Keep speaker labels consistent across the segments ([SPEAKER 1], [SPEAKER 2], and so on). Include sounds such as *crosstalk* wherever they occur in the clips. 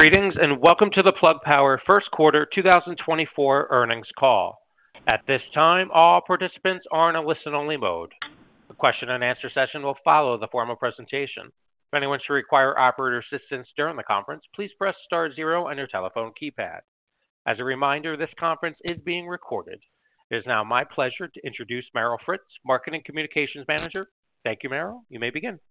[SPEAKER 1] Greetings, and welcome to the Plug Power first quarter 2024 earnings call. At this time, all participants are in a listen-only mode. A question-and-answer session will follow the formal presentation. If anyone should require operator assistance during the conference, please press star zero on your telephone keypad. As a reminder, this conference is being recorded. It is now my pleasure to introduce Meryl Fritz, Marketing Communications Manager. Thank you, Meryl. You may begin.
[SPEAKER 2] Thank you.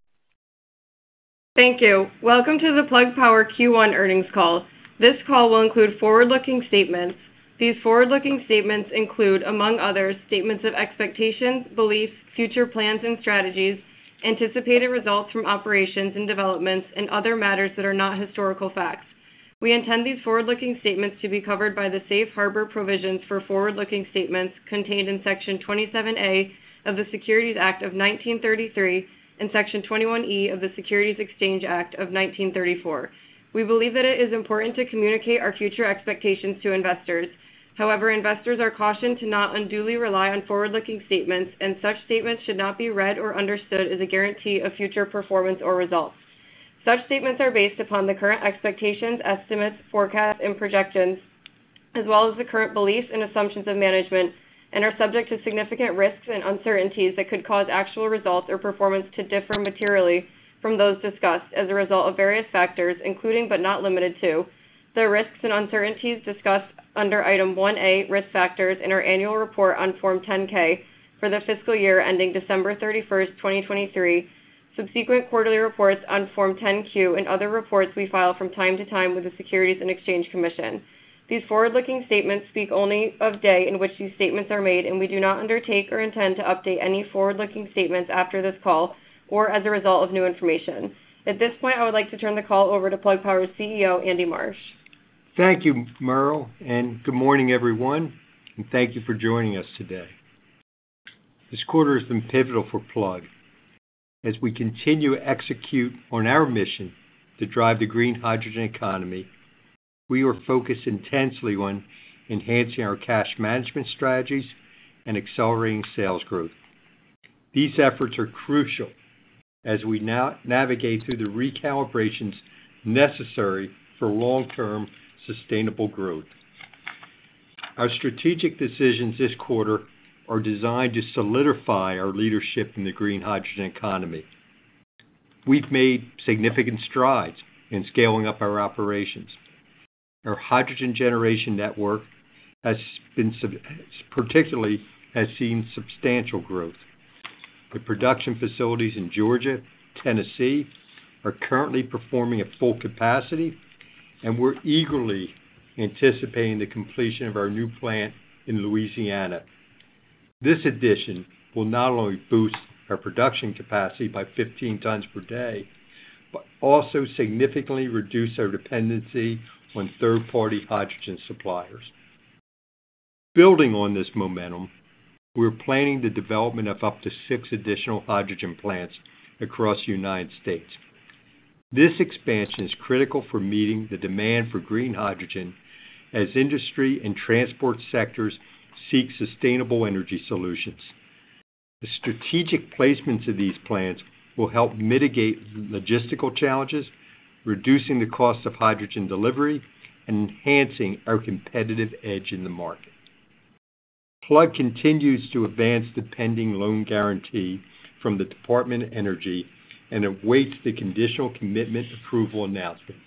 [SPEAKER 2] Welcome to the Plug Power Q1 earnings call. This call will include forward-looking statements. These forward-looking statements include, among others, statements of expectations, beliefs, future plans and strategies, anticipated results from operations and developments, and other matters that are not historical facts. We intend these forward-looking statements to be covered by the Safe Harbor Provisions for forward-looking statements contained in Section 27A of the Securities Act of 1933 and Section 21E of the Securities Exchange Act of 1934. We believe that it is important to communicate our future expectations to investors. However, investors are cautioned to not unduly rely on forward-looking statements, and such statements should not be read or understood as a guarantee of future performance or results. Such statements are based upon the current expectations, estimates, forecasts, and projections, as well as the current beliefs and assumptions of management and are subject to significant risks and uncertainties that could cause actual results or performance to differ materially from those discussed as a result of various factors, including but not limited to, the risks and uncertainties discussed under Item 1A, Risk Factors in our annual report on Form 10-K for the fiscal year ending December 31st, 2023, subsequent quarterly reports on Form 10-Q, and other reports we file from time to time with the Securities and Exchange Commission. These forward-looking statements speak only as of the day in which these statements are made, and we do not undertake or intend to update any forward-looking statements after this call or as a result of new information. At this point, I would like to turn the call over to Plug Power's CEO, Andy Marsh.
[SPEAKER 3] Thank you, Meryl, and good morning, everyone, and thank you for joining us today. This quarter has been pivotal for Plug. As we continue to execute on our mission to drive the green hydrogen economy, we are focused intensely on enhancing our cash management strategies and accelerating sales growth. These efforts are crucial as we now navigate through the recalibrations necessary for long-term sustainable growth. Our strategic decisions this quarter are designed to solidify our leadership in the green hydrogen economy. We've made significant strides in scaling up our operations. Our hydrogen generation network has been particularly, has seen substantial growth. The production facilities in Georgia, Tennessee, are currently performing at full capacity, and we're eagerly anticipating the completion of our new plant in Louisiana. This addition will not only boost our production capacity by 15 tons per day, but also significantly reduce our dependency on third-party hydrogen suppliers. Building on this momentum, we're planning the development of up to six additional hydrogen plants across the United States. This expansion is critical for meeting the demand for green hydrogen as industry and transport sectors seek sustainable energy solutions. The strategic placements of these plants will help mitigate logistical challenges, reducing the cost of hydrogen delivery and enhancing our competitive edge in the market. Plug continues to advance the pending loan guarantee from the Department of Energy and awaits the conditional commitment approval announcement.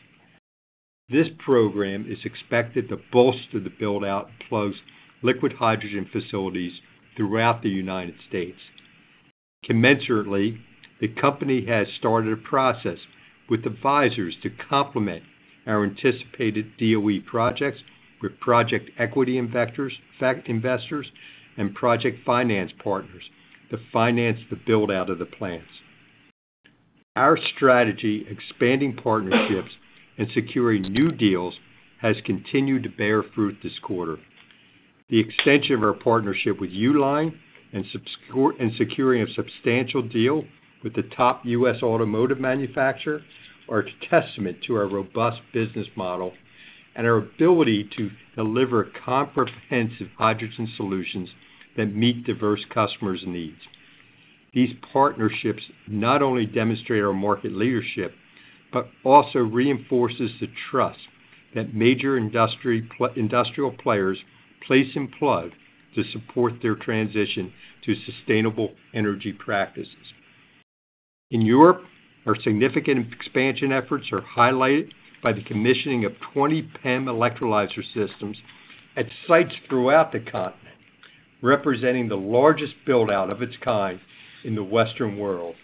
[SPEAKER 3] This program is expected to bolster the build-out of Plug's liquid hydrogen facilities throughout the United States. Commensurately, the company has started a process with advisors to complement our anticipated DOE projects with project equity investors, tax equity investors, and project finance partners to finance the build-out of the plants. Our strategy, expanding partnerships and securing new deals, has continued to bear fruit this quarter. The extension of our partnership with Uline and Skanska and securing a substantial deal with the top U.S. automotive manufacturer are a testament to our robust business model and our ability to deliver comprehensive hydrogen solutions that meet diverse customers' needs. These partnerships not only demonstrate our market leadership, but also reinforces the trust that major industrial players place in Plug to support their transition to sustainable energy practices. In Europe, our significant expansion efforts are highlighted by the commissioning of 20 PEM electrolyzer systems at sites throughout the continent, representing the largest build-out of its kind in the Western world.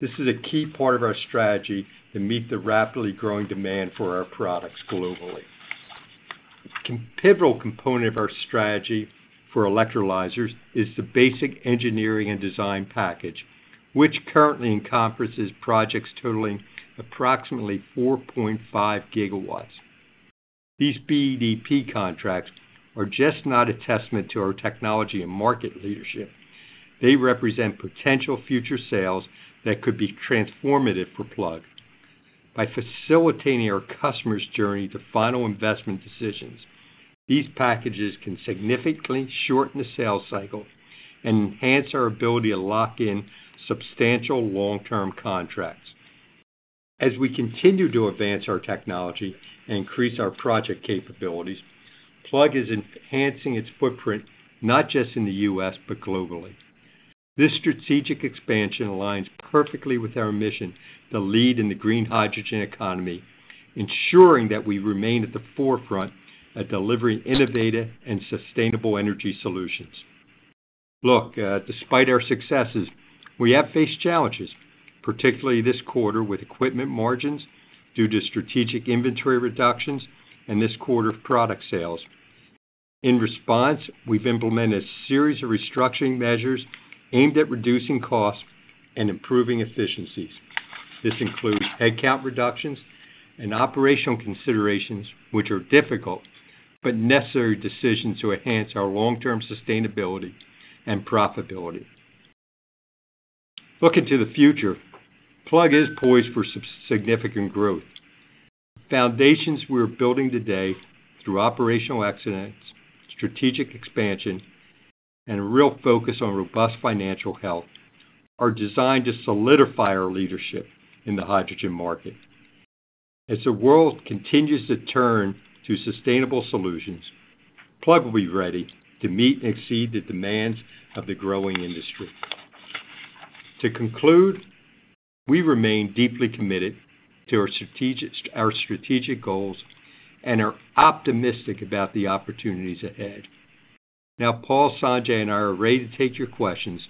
[SPEAKER 3] This is a key part of our strategy to meet the rapidly growing demand for our products globally. Pivotal component of our strategy for electrolyzers is the Basic Engineering and Design Package, which currently encompasses projects totaling approximately 4.5 GW. These BEDP contracts are just not a testament to our technology and market leadership. They represent potential future sales that could be transformative for Plug. By facilitating our customers' journey to final investment decisions, These packages can significantly shorten the sales cycle and enhance our ability to lock in substantial long-term contracts. As we continue to advance our technology and increase our project capabilities, Plug is enhancing its footprint, not just in the U.S., but globally. This strategic expansion aligns perfectly with our mission to lead in the green hydrogen economy, ensuring that we remain at the forefront of delivering innovative and sustainable energy solutions. Look, despite our successes, we have faced challenges, particularly this quarter, with equipment margins due to strategic inventory reductions and this quarter of product sales. In response, we've implemented a series of restructuring measures aimed at reducing costs and improving efficiencies. This includes headcount reductions and operational considerations, which are difficult but necessary decisions to enhance our long-term sustainability and profitability. Looking to the future, Plug is poised for substantial growth. Foundations we're building today through operational excellence, strategic expansion, and a real focus on robust financial health, are designed to solidify our leadership in the hydrogen market. As the world continues to turn to sustainable solutions, Plug will be ready to meet and exceed the demands of the growing industry. To conclude, we remain deeply committed to our strategic goals and are optimistic about the opportunities ahead. Now, Paul, Sanjay, and I are ready to take your questions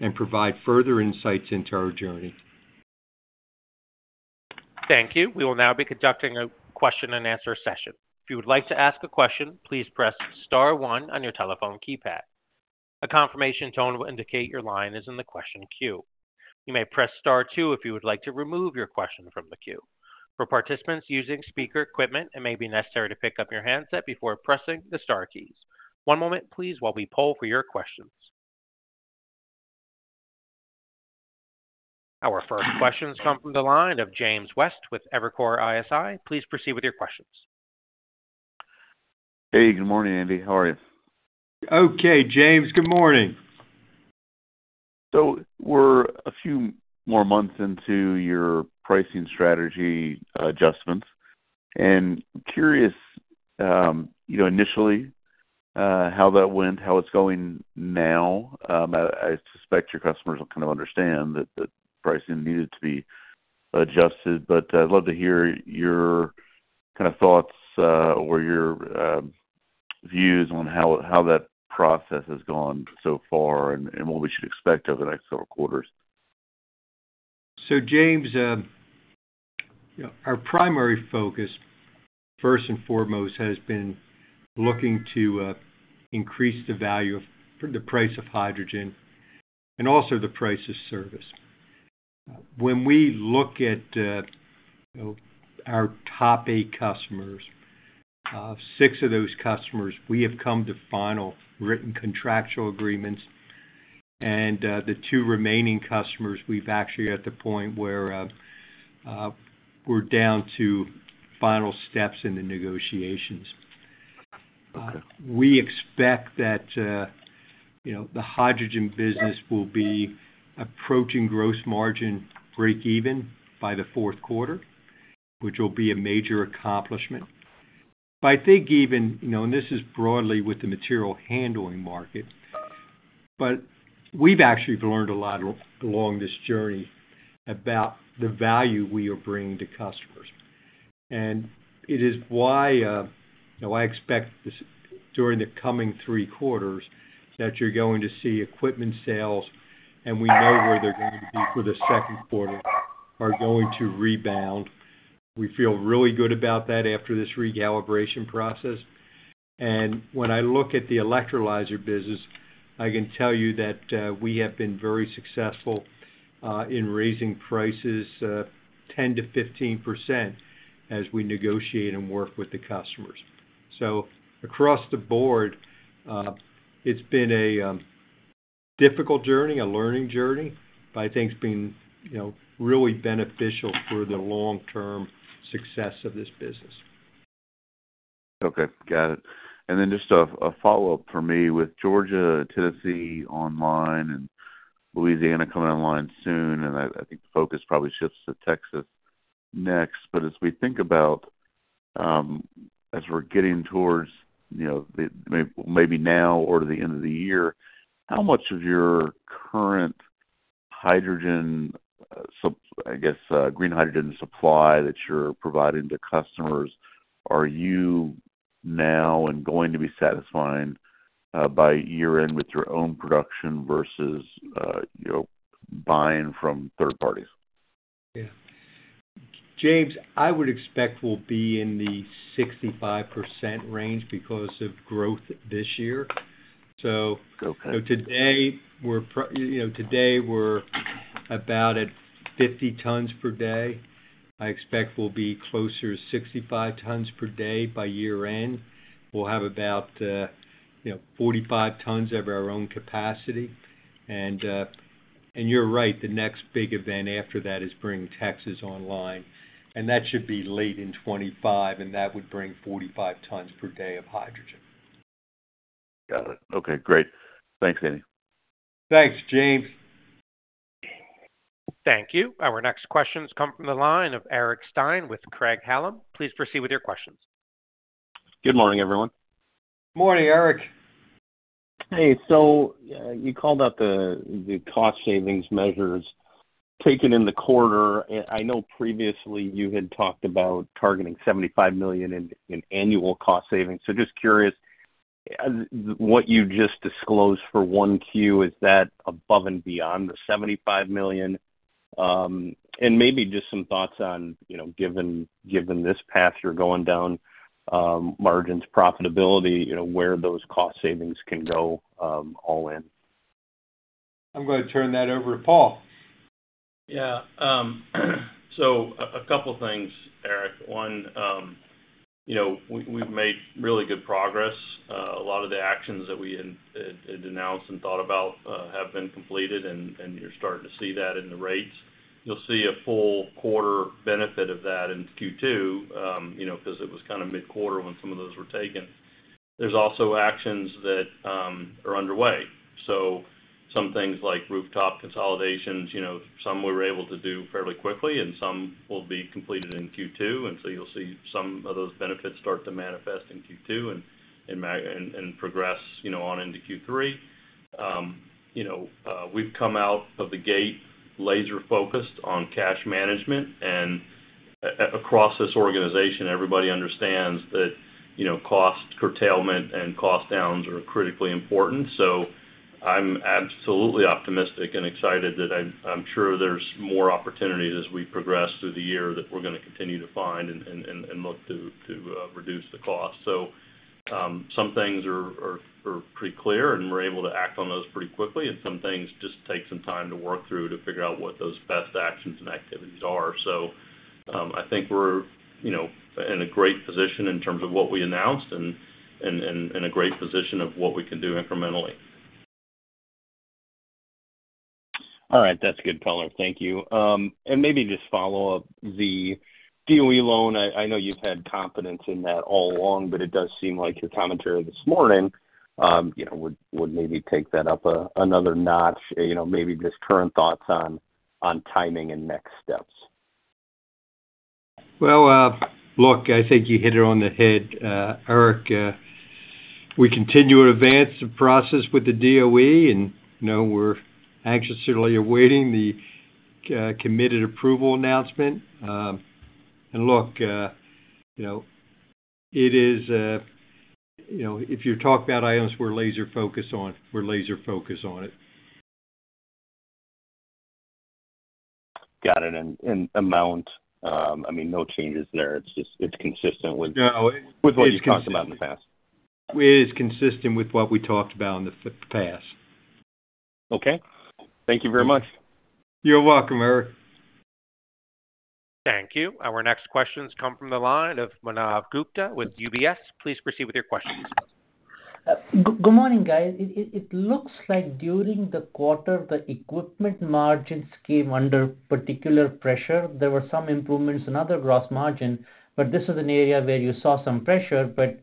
[SPEAKER 3] and provide further insights into our journey.
[SPEAKER 1] Thank you. We will now be conducting a question-and-answer session. If you would like to ask a question, please press star one on your telephone keypad. A confirmation tone will indicate your line is in the question queue. You may press Star two if you would like to remove your question from the queue. For participants using speaker equipment, it may be necessary to pick up your handset before pressing the star keys. One moment please, while we poll for your questions. Our first question comes from the line of James West with Evercore ISI. Please proceed with your questions.
[SPEAKER 4] Hey, good morning, Andy. How are you?
[SPEAKER 3] Okay, James. Good morning.
[SPEAKER 4] So we're a few more months into your pricing strategy adjustments, and curious, you know, initially, how that went, how it's going now. I suspect your customers will kind of understand that the pricing needed to be adjusted, but I'd love to hear your kinda thoughts, or your views on how that process has gone so far and what we should expect over the next several quarters.
[SPEAKER 3] So, James, you know, our primary focus, first and foremost, has been looking to increase the value of the price of hydrogen and also the price of service. When we look at, you know, our top eight customers, six of those customers, we have come to final written contractual agreements, and the two remaining customers, we've actually at the point where we're down to final steps in the negotiations.
[SPEAKER 4] Okay.
[SPEAKER 3] We expect that, you know, the hydrogen business will be approaching gross margin break-even by the fourth quarter, which will be a major accomplishment. But I think even, you know, and this is broadly with the material handling market, but we've actually learned a lot along this journey about the value we are bringing to customers. And it is why, you know, I expect this during the coming three quarters, that you're going to see equipment sales, and we know where they're going to be for the second quarter, are going to rebound. We feel really good about that after this recalibration process. And when I look at the electrolyzer business, I can tell you that, we have been very successful, in raising prices, 10%-15% as we negotiate and work with the customers. Across the board, it's been a difficult journey, a learning journey, but I think it's been, you know, really beneficial for the long-term success of this business.
[SPEAKER 4] Okay, got it. And then just a follow-up for me with Georgia, Tennessee online and Louisiana coming online soon, and I think the focus probably shifts to Texas next. But as we think about, as we're getting towards, you know, maybe now or to the end of the year, how much of your current hydrogen supply—I guess green hydrogen supply—that you're providing to customers, are you now and going to be satisfied by year-end with your own production versus, you know, buying from third parties?
[SPEAKER 3] Yeah. James, I would expect we'll be in the 65% range because of growth this year.
[SPEAKER 4] Okay.
[SPEAKER 3] So today, you know, today we're about at 50 tons per day. I expect we'll be closer to 65 tons per day by year-end. We'll have about, you know, 45 tons of our own capacity, and you're right, the next big event after that is bringing Texas online, and that should be late in 2025, and that would bring 45 tons per day of hydrogen.
[SPEAKER 4] Got it. Okay, great. Thanks, Andy.
[SPEAKER 3] Thanks, James.
[SPEAKER 1] Thank you. Our next questions come from the line of Eric Stine with Craig-Hallum. Please proceed with your questions.
[SPEAKER 5] Good morning, everyone.
[SPEAKER 3] Morning, Eric.
[SPEAKER 5] Hey, so, you called out the cost savings measures taken in the quarter. And I know previously you had talked about targeting $75 million in annual cost savings. So just curious, as what you just disclosed for 1Q, is that above and beyond the $75 million? And maybe just some thoughts on, you know, given this path you're going down, margins, profitability, you know, where those cost savings can go, all in.
[SPEAKER 3] I'm going to turn that over to Paul.
[SPEAKER 6] Yeah, so a couple things, Eric. One, you know, we, we've made really good progress. A lot of the actions that we had announced and thought about have been completed, and you're starting to see that in the rates. You'll see a full quarter benefit of that in Q2, you know, because it was kind of mid-quarter when some of those were taken. There's also actions that are underway. So some things like rooftop consolidations, you know, some we were able to do fairly quickly, and some will be completed in Q2, and so you'll see some of those benefits start to manifest in Q2 and progress, you know, on into Q3. You know, we've come out of the gate laser-focused on cash management, and across this organization, everybody understands that, you know, cost curtailment and cost downs are critically important. So I'm absolutely optimistic and excited that I'm sure there's more opportunities as we progress through the year that we're gonna continue to find and look to reduce the cost. So, some things are pretty clear, and we're able to act on those pretty quickly, and some things just take some time to work through to figure out what those best actions and activities are. So, I think we're, you know, in a great position in terms of what we announced and in a great position of what we can do incrementally.
[SPEAKER 5] All right. That's a good color. Thank you. And maybe just follow up, the DOE loan, I know you've had confidence in that all along, but it does seem like your commentary this morning, you know, would maybe take that up another notch. You know, maybe just current thoughts on timing and next steps.
[SPEAKER 3] Well, look, I think you hit it on the head, Eric. We continue to advance the process with the DOE, and, you know, we're anxiously awaiting the committed approval announcement. And look, you know, it is, you know, if you talk about items we're laser focused on, we're laser focused on it.
[SPEAKER 5] Got it. And amount, I mean, no changes there. It's just, it's consistent with-
[SPEAKER 3] No, it-
[SPEAKER 5] with what you've talked about in the past.
[SPEAKER 3] It is consistent with what we talked about in the past.
[SPEAKER 5] Okay. Thank you very much.
[SPEAKER 3] You're welcome, Eric.
[SPEAKER 1] Thank you. Our next questions come from the line of Manav Gupta with UBS. Please proceed with your questions.
[SPEAKER 7] Good morning, guys. It looks like during the quarter, the equipment margins came under particular pressure. There were some improvements in other gross margin, but this is an area where you saw some pressure. But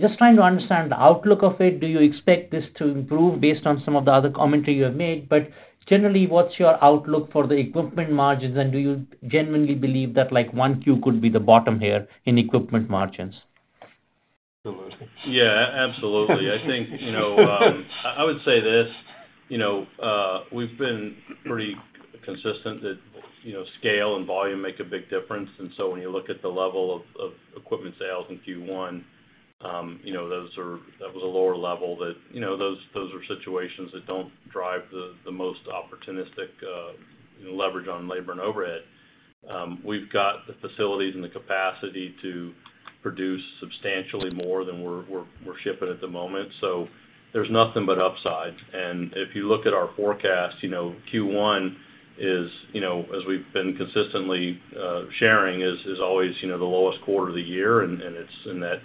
[SPEAKER 7] just trying to understand the outlook of it, do you expect this to improve based on some of the other commentary you have made? But generally, what's your outlook for the equipment margins, and do you genuinely believe that, like, 1Q could be the bottom here in equipment margins?
[SPEAKER 6] Yeah, absolutely. I think, you know, I would say this, you know, we've been pretty consistent that, you know, scale and volume make a big difference, and so when you look at the level of equipment sales in Q1, you know, those are... That was a lower level that, you know, those are situations that don't drive the most opportunistic, you know, leverage on labor and overhead. We've got the facilities and the capacity to produce substantially more than we're shipping at the moment, so there's nothing but upside. And if you look at our forecast, you know, Q1 is, you know, as we've been consistently sharing, is always, you know, the lowest quarter of the year, and it's in that,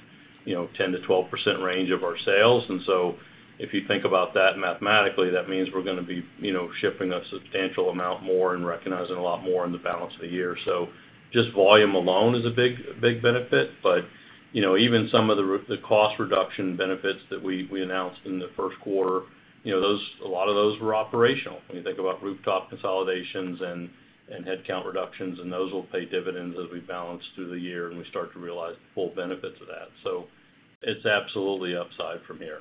[SPEAKER 6] you know, 10%-12% range of our sales. And so if you think about that mathematically, that means we're gonna be, you know, shipping a substantial amount more and recognizing a lot more in the balance of the year. So just volume alone is a big, big benefit, but, you know, even some of the the cost reduction benefits that we announced in the first quarter, you know, those, a lot of those were operational. When you think about rooftop consolidations and headcount reductions, and those will pay dividends as we balance through the year, and we start to realize the full benefits of that. So it's absolutely upside from here.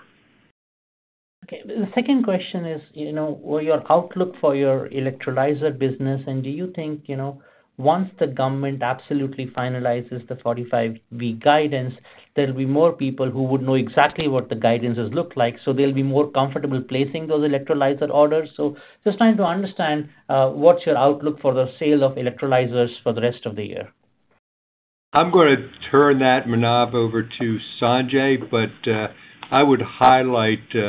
[SPEAKER 7] Okay. The second question is, you know, what your outlook for your electrolyzer business, and do you think, you know, once the government absolutely finalizes the 45V guidance, there'll be more people who would know exactly what the guidance has looked like, so they'll be more comfortable placing those electrolyzer orders? So just trying to understand, what's your outlook for the sale of electrolyzers for the rest of the year?
[SPEAKER 3] I'm going to turn that, Manav, over to Sanjay. But I would highlight, you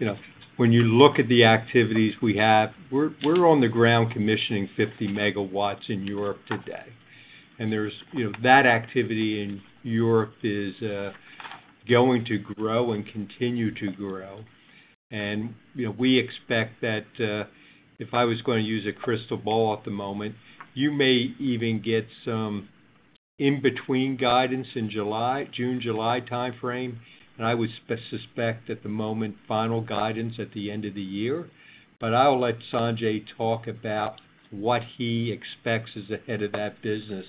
[SPEAKER 3] know, when you look at the activities we have, we're on the ground commissioning 50 MW in Europe today... And there's, you know, that activity in Europe is going to grow and continue to grow. And, you know, we expect that, if I was going to use a crystal ball at the moment, you may even get some in-between guidance in June-July time frame. And I would suspect, at the moment, final guidance at the end of the year. But I'll let Sanjay talk about what he expects as the head of that business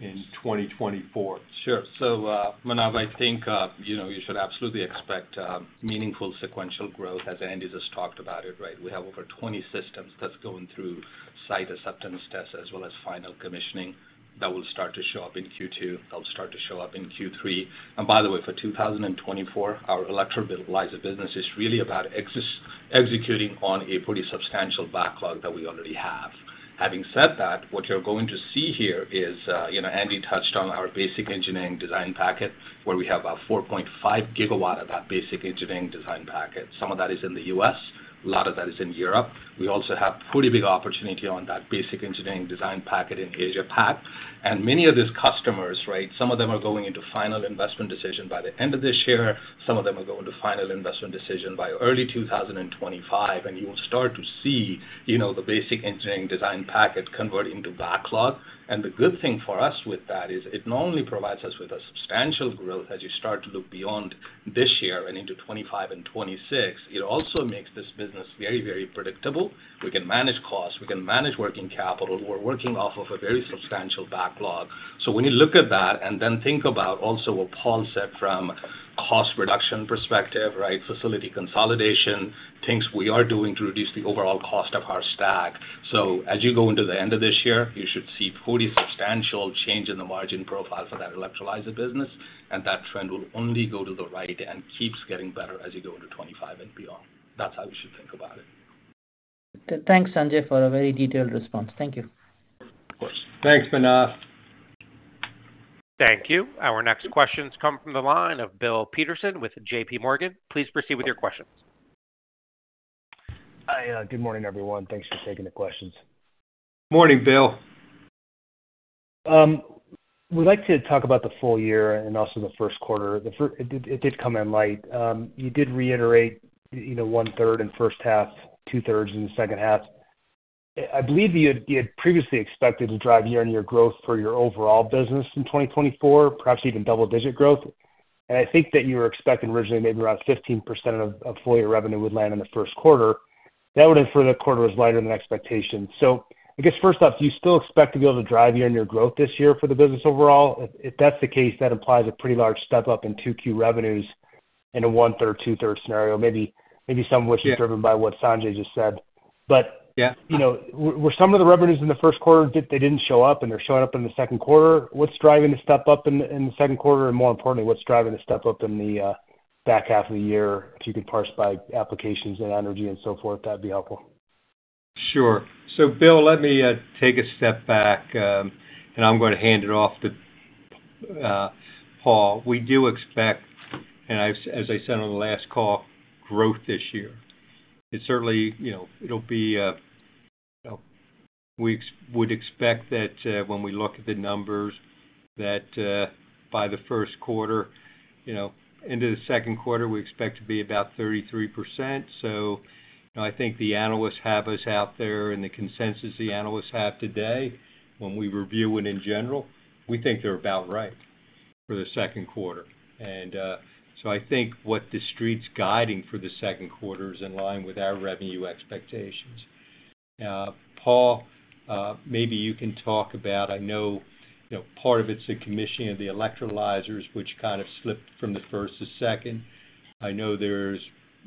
[SPEAKER 3] in 2024.
[SPEAKER 8] Sure. So, Manav, I think, you know, you should absolutely expect meaningful sequential growth, as Andy just talked about it, right? We have over 20 systems that's going through site acceptance tests, as well as final commissioning that will start to show up in Q2, they'll start to show up in Q3. And by the way, for 2024, our electrolyzer business is really about executing on a pretty substantial backlog that we already have. Having said that, what you're going to see here is, you know, Andy touched on our basic engineering design package, where we have about 4.5 GW of that basic engineering design package. Some of that is in the US, a lot of that is in Europe. We also have pretty big opportunity on that basic engineering design package in Asia Pacific. Many of these customers, right, some of them are going into final investment decision by the end of this year. Some of them are going to final investment decision by early 2025, and you will start to see, you know, the basic engineering design package convert into backlog. And the good thing for us with that is it not only provides us with a substantial growth as you start to look beyond this year and into 2025 and 2026, it also makes this business very, very predictable. We can manage costs, we can manage working capital. We're working off of a very substantial backlog. So when you look at that and then think about also a concept from cost reduction perspective, right? Facility consolidation, things we are doing to reduce the overall cost of our stack. So as you go into the end of this year, you should see pretty substantial change in the margin profile for that electrolyzer business, and that trend will only go to the right and keeps getting better as you go into 2025 and beyond. That's how you should think about it.
[SPEAKER 7] Thanks, Sanjay, for a very detailed response. Thank you.
[SPEAKER 8] Of course.
[SPEAKER 3] Thanks, Manav.
[SPEAKER 1] Thank you. Our next questions come from the line of Bill Peterson with JPMorgan. Please proceed with your questions.
[SPEAKER 9] Hi, good morning, everyone. Thanks for taking the questions.
[SPEAKER 3] Morning, Bill.
[SPEAKER 9] We'd like to talk about the full year and also the first quarter. It did, it did come in light. You did reiterate, you know, one third in first half, two thirds in the second half. I believe you had, you had previously expected to drive year-on-year growth for your overall business in 2024, perhaps even double-digit growth. I think that you were expecting originally maybe around 15% of full year revenue would land in the first quarter. That would infer the quarter was lighter than expectation. I guess first off, do you still expect to be able to drive year-on-year growth this year for the business overall? If that's the case, that implies a pretty large step up in 2Q revenues in a 1/3, 2/3 scenario, maybe some of which is driven by what Sanjay just said. But-
[SPEAKER 3] Yeah.
[SPEAKER 9] You know, were some of the revenues in the first quarter that they didn't show up and they're showing up in the second quarter? What's driving the step up in, in the second quarter, and more importantly, what's driving the step up in the back half of the year? If you could parse by applications and energy and so forth, that'd be helpful.
[SPEAKER 3] Sure. So Bill, let me take a step back, and I'm gonna hand it off to Paul. We do expect, and I've, as I said on the last call, growth this year. It certainly, you know, it'll be, you know, we would expect that, when we look at the numbers, that, by the first quarter, you know, into the second quarter, we expect to be about 33%. So I think the analysts have us out there, and the consensus the analysts have today, when we review it in general, we think they're about right for the second quarter. And, so I think what the street's guiding for the second quarter is in line with our revenue expectations. Paul, maybe you can talk about... I know, you know, part of it's the commissioning of the electrolyzers, which kind of slipped from the first to second. I know there's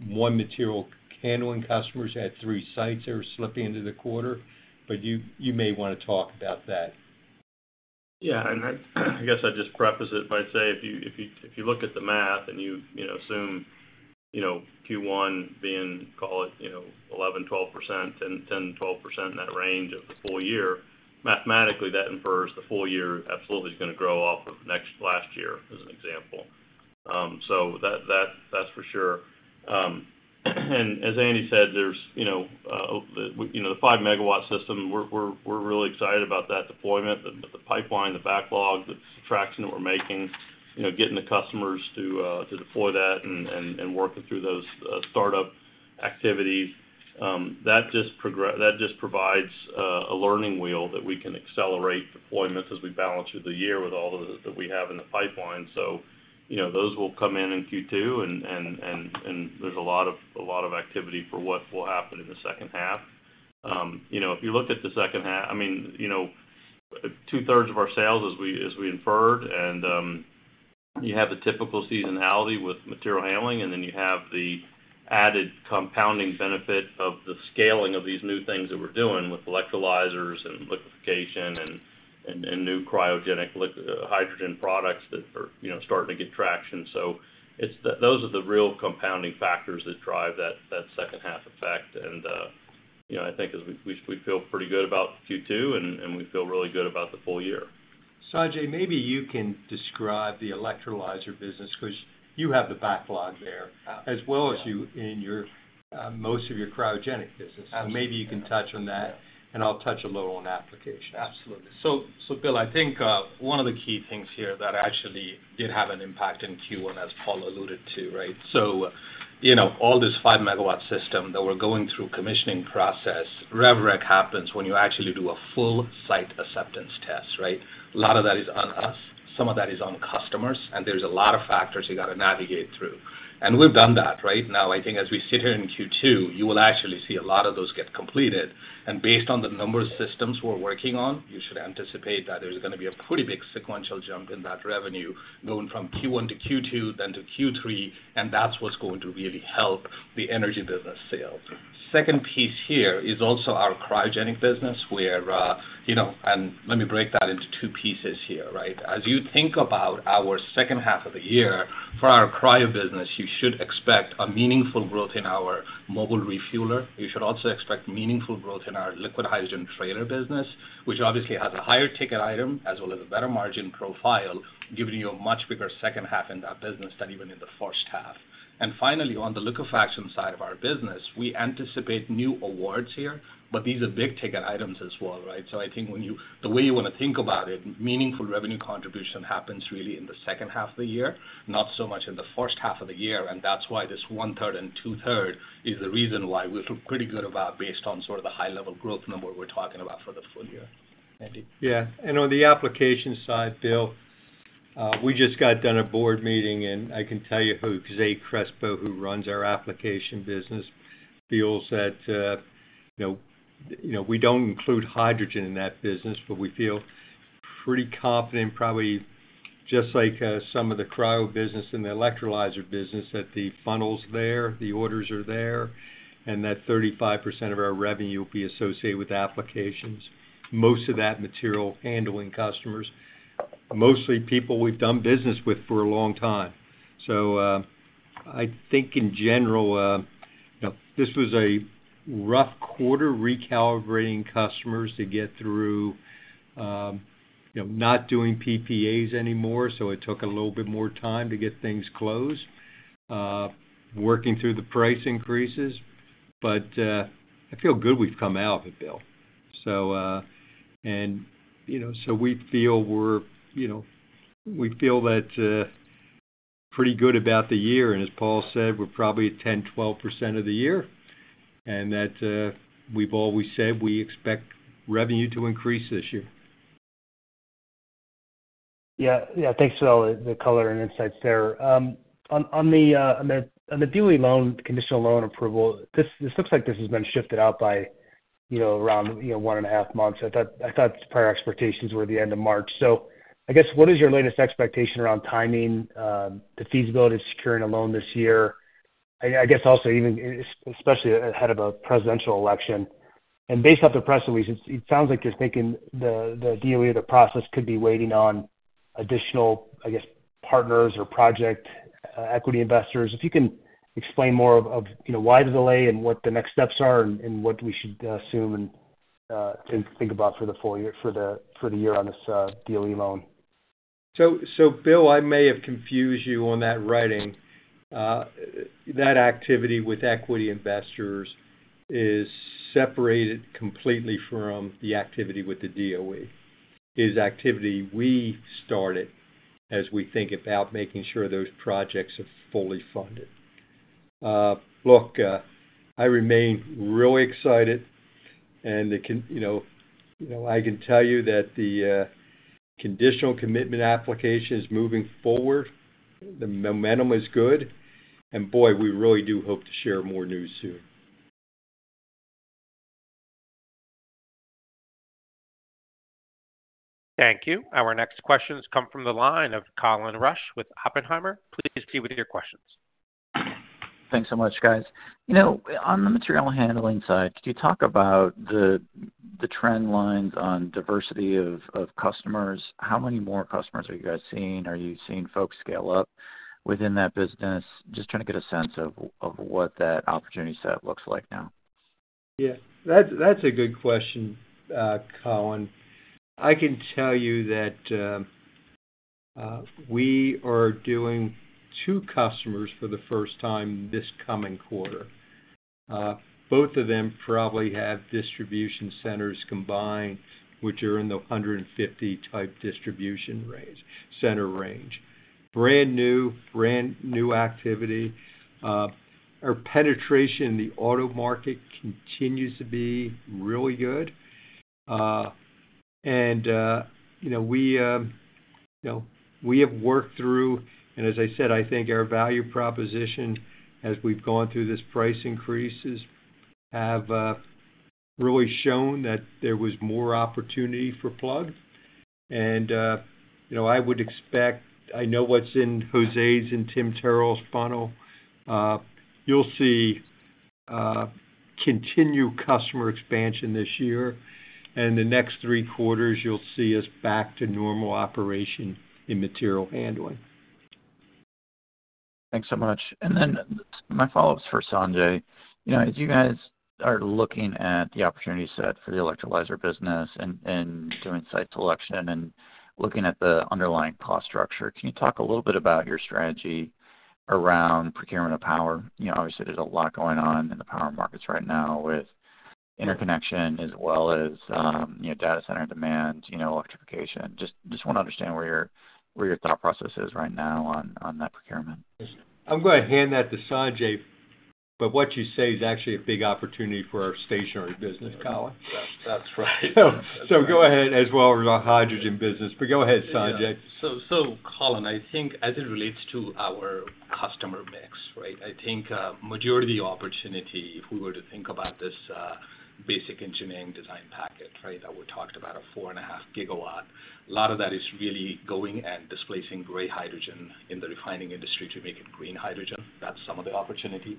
[SPEAKER 3] one material handling customer had three sites that were slipping into the quarter, but you may want to talk about that.
[SPEAKER 6] Yeah, and I guess I'd just preface it by saying, if you look at the math and you know, assume, you know, Q1 being, call it, you know, 11%-12%, 10%-12% in that range of the full year, mathematically, that infers the full year absolutely is gonna grow off of last year, as an example. So that, that's for sure. And as Andy said, there's, you know, you know, the 5 MW system, we're really excited about that deployment, the pipeline, the backlog, the traction that we're making, you know, getting the customers to deploy that and working through those startup activities. That just provides a learning wheel that we can accelerate deployments as we balance through the year with all of those that we have in the pipeline. So, you know, those will come in in Q2, and there's a lot of activity for what will happen in the second half. You know, if you look at the second half, I mean, you know, two-thirds of our sales as we inferred, and you have the typical seasonality with material handling, and then you have the added compounding benefit of the scaling of these new things that we're doing with electrolyzers and liquefaction and new cryogenic liquid hydrogen products that are, you know, starting to get traction. So it's the those are the real compounding factors that drive that second half effect. You know, I think as we feel pretty good about Q2, and we feel really good about the full year. ...
[SPEAKER 3] Sanjay, maybe you can describe the electrolyzer business, because you have the backlog there, as well as you in your, most of your cryogenic business. So maybe you can touch on that, and I'll touch a little on application.
[SPEAKER 8] Absolutely. So, Bill, I think one of the key things here that actually did have an impact in Q1, as Paul alluded to, right? So, you know, all this 5 MW system that we're going through commissioning process, rev rec happens when you actually do a full site acceptance test, right? A lot of that is on us, some of that is on customers, and there's a lot of factors you got to navigate through. And we've done that, right? Now, I think as we sit here in Q2, you will actually see a lot of those get completed, and based on the number of systems we're working on, you should anticipate that there's gonna be a pretty big sequential jump in that revenue going from Q1 to Q2, then to Q3, and that's what's going to really help the energy business sales. Second piece here is also our cryogenic business, where, you know, and let me break that into two pieces here, right? As you think about our second half of the year, for our cryo business, you should expect a meaningful growth in our mobile refueler. You should also expect meaningful growth in our liquid hydrogen trailer business, which obviously has a higher ticket item, as well as a better margin profile, giving you a much bigger second half in that business than even in the first half. And finally, on the liquefaction side of our business, we anticipate new awards here, but these are big-ticket items as well, right? So I think when you-- the way you wanna think about it, meaningful revenue contribution happens really in the second half of the year, not so much in the first half of the year, and that's why this 1/3 and 2/3 is the reason why we feel pretty good about based on sort of the high-level growth number we're talking about for the full year. Andy?
[SPEAKER 3] Yeah, and on the application side, Bill, we just got done a board meeting, and I can tell you, Jose Crespo, who runs our application business, feels that, you know, you know, we don't include hydrogen in that business, but we feel pretty confident, probably just like, some of the cryo business and the electrolyzer business, that the funnel's there, the orders are there, and that 35% of our revenue will be associated with applications. Most of that material handling customers, mostly people we've done business with for a long time. So, I think in general, you know, this was a rough quarter recalibrating customers to get through, you know, not doing PPAs anymore, so it took a little bit more time to get things closed, working through the price increases. But, I feel good we've come out of it, Bill. So, and, you know, so we feel we're, you know, we feel that pretty good about the year, and as Paul said, we're probably at 10%-12% of the year, and that we've always said we expect revenue to increase this year.
[SPEAKER 9] Yeah, yeah. Thanks for all the, the color and insights there. On the, on the, on the DOE loan, conditional loan approval, this, this looks like this has been shifted out by, you know, around, you know, 1.5 months. I thought, I thought prior expectations were the end of March. So I guess, what is your latest expectation around timing, the feasibility of securing a loan this year? I, I guess also even, especially ahead of a presidential election, and based off the press release, it, it sounds like you're thinking the, the DOE, the process could be waiting on additional, I guess, partners or project, equity investors. If you can explain more of you know why the delay and what the next steps are and what we should assume and to think about for the full year—for the year on this DOE loan.
[SPEAKER 3] So, Bill, I may have confused you on that writing. That activity with equity investors is separated completely from the activity with the DOE. It is activity we started as we think about making sure those projects are fully funded. Look, I remain really excited, and it can, you know. You know, I can tell you that the conditional commitment application is moving forward. The momentum is good, and boy, we really do hope to share more news soon.
[SPEAKER 1] Thank you. Our next question has come from the line of Colin Rusch with Oppenheimer. Please proceed with your questions.
[SPEAKER 10] Thanks so much, guys. You know, on the material handling side, could you talk about the trend lines on diversity of customers? How many more customers are you guys seeing? Are you seeing folks scale up within that business? Just trying to get a sense of what that opportunity set looks like now.
[SPEAKER 3] Yeah, that's a good question, Colin. I can tell you that we are doing two customers for the first time this coming quarter. Both of them probably have distribution centers combined, which are in the 150 type distribution range, center range. Brand new, brand new activity. Our penetration in the auto market continues to be really good. And you know, we have worked through, and as I said, I think our value proposition as we've gone through this price increases, have really shown that there was more opportunity for Plug. And you know, I would expect... I know what's in Jose's and Tim Terrill's funnel. You'll see continued customer expansion this year, and the next three quarters, you'll see us back to normal operation in material handling....
[SPEAKER 10] Thanks so much. Then my follow-up is for Sanjay. You know, as you guys are looking at the opportunity set for the electrolyzer business and doing site selection and looking at the underlying cost structure, can you talk a little bit about your strategy around procurement of power? You know, obviously, there's a lot going on in the power markets right now with interconnection as well as, you know, data center demand, you know, electrification. Just wanna understand where your thought process is right now on that procurement.
[SPEAKER 6] I'm going to hand that to Sanjay, but what you say is actually a big opportunity for our stationary business, Colin.
[SPEAKER 8] That's, that's right.
[SPEAKER 6] Go ahead, as well as our hydrogen business. But go ahead, Sanjay.
[SPEAKER 8] So, Colin, I think as it relates to our customer mix, right? I think, majority opportunity, if we were to think about this, basic engineering design package, right, that we talked about, a 4.5 GW, a lot of that is really going and displacing gray hydrogen in the refining industry to make it green hydrogen. That's some of the opportunity.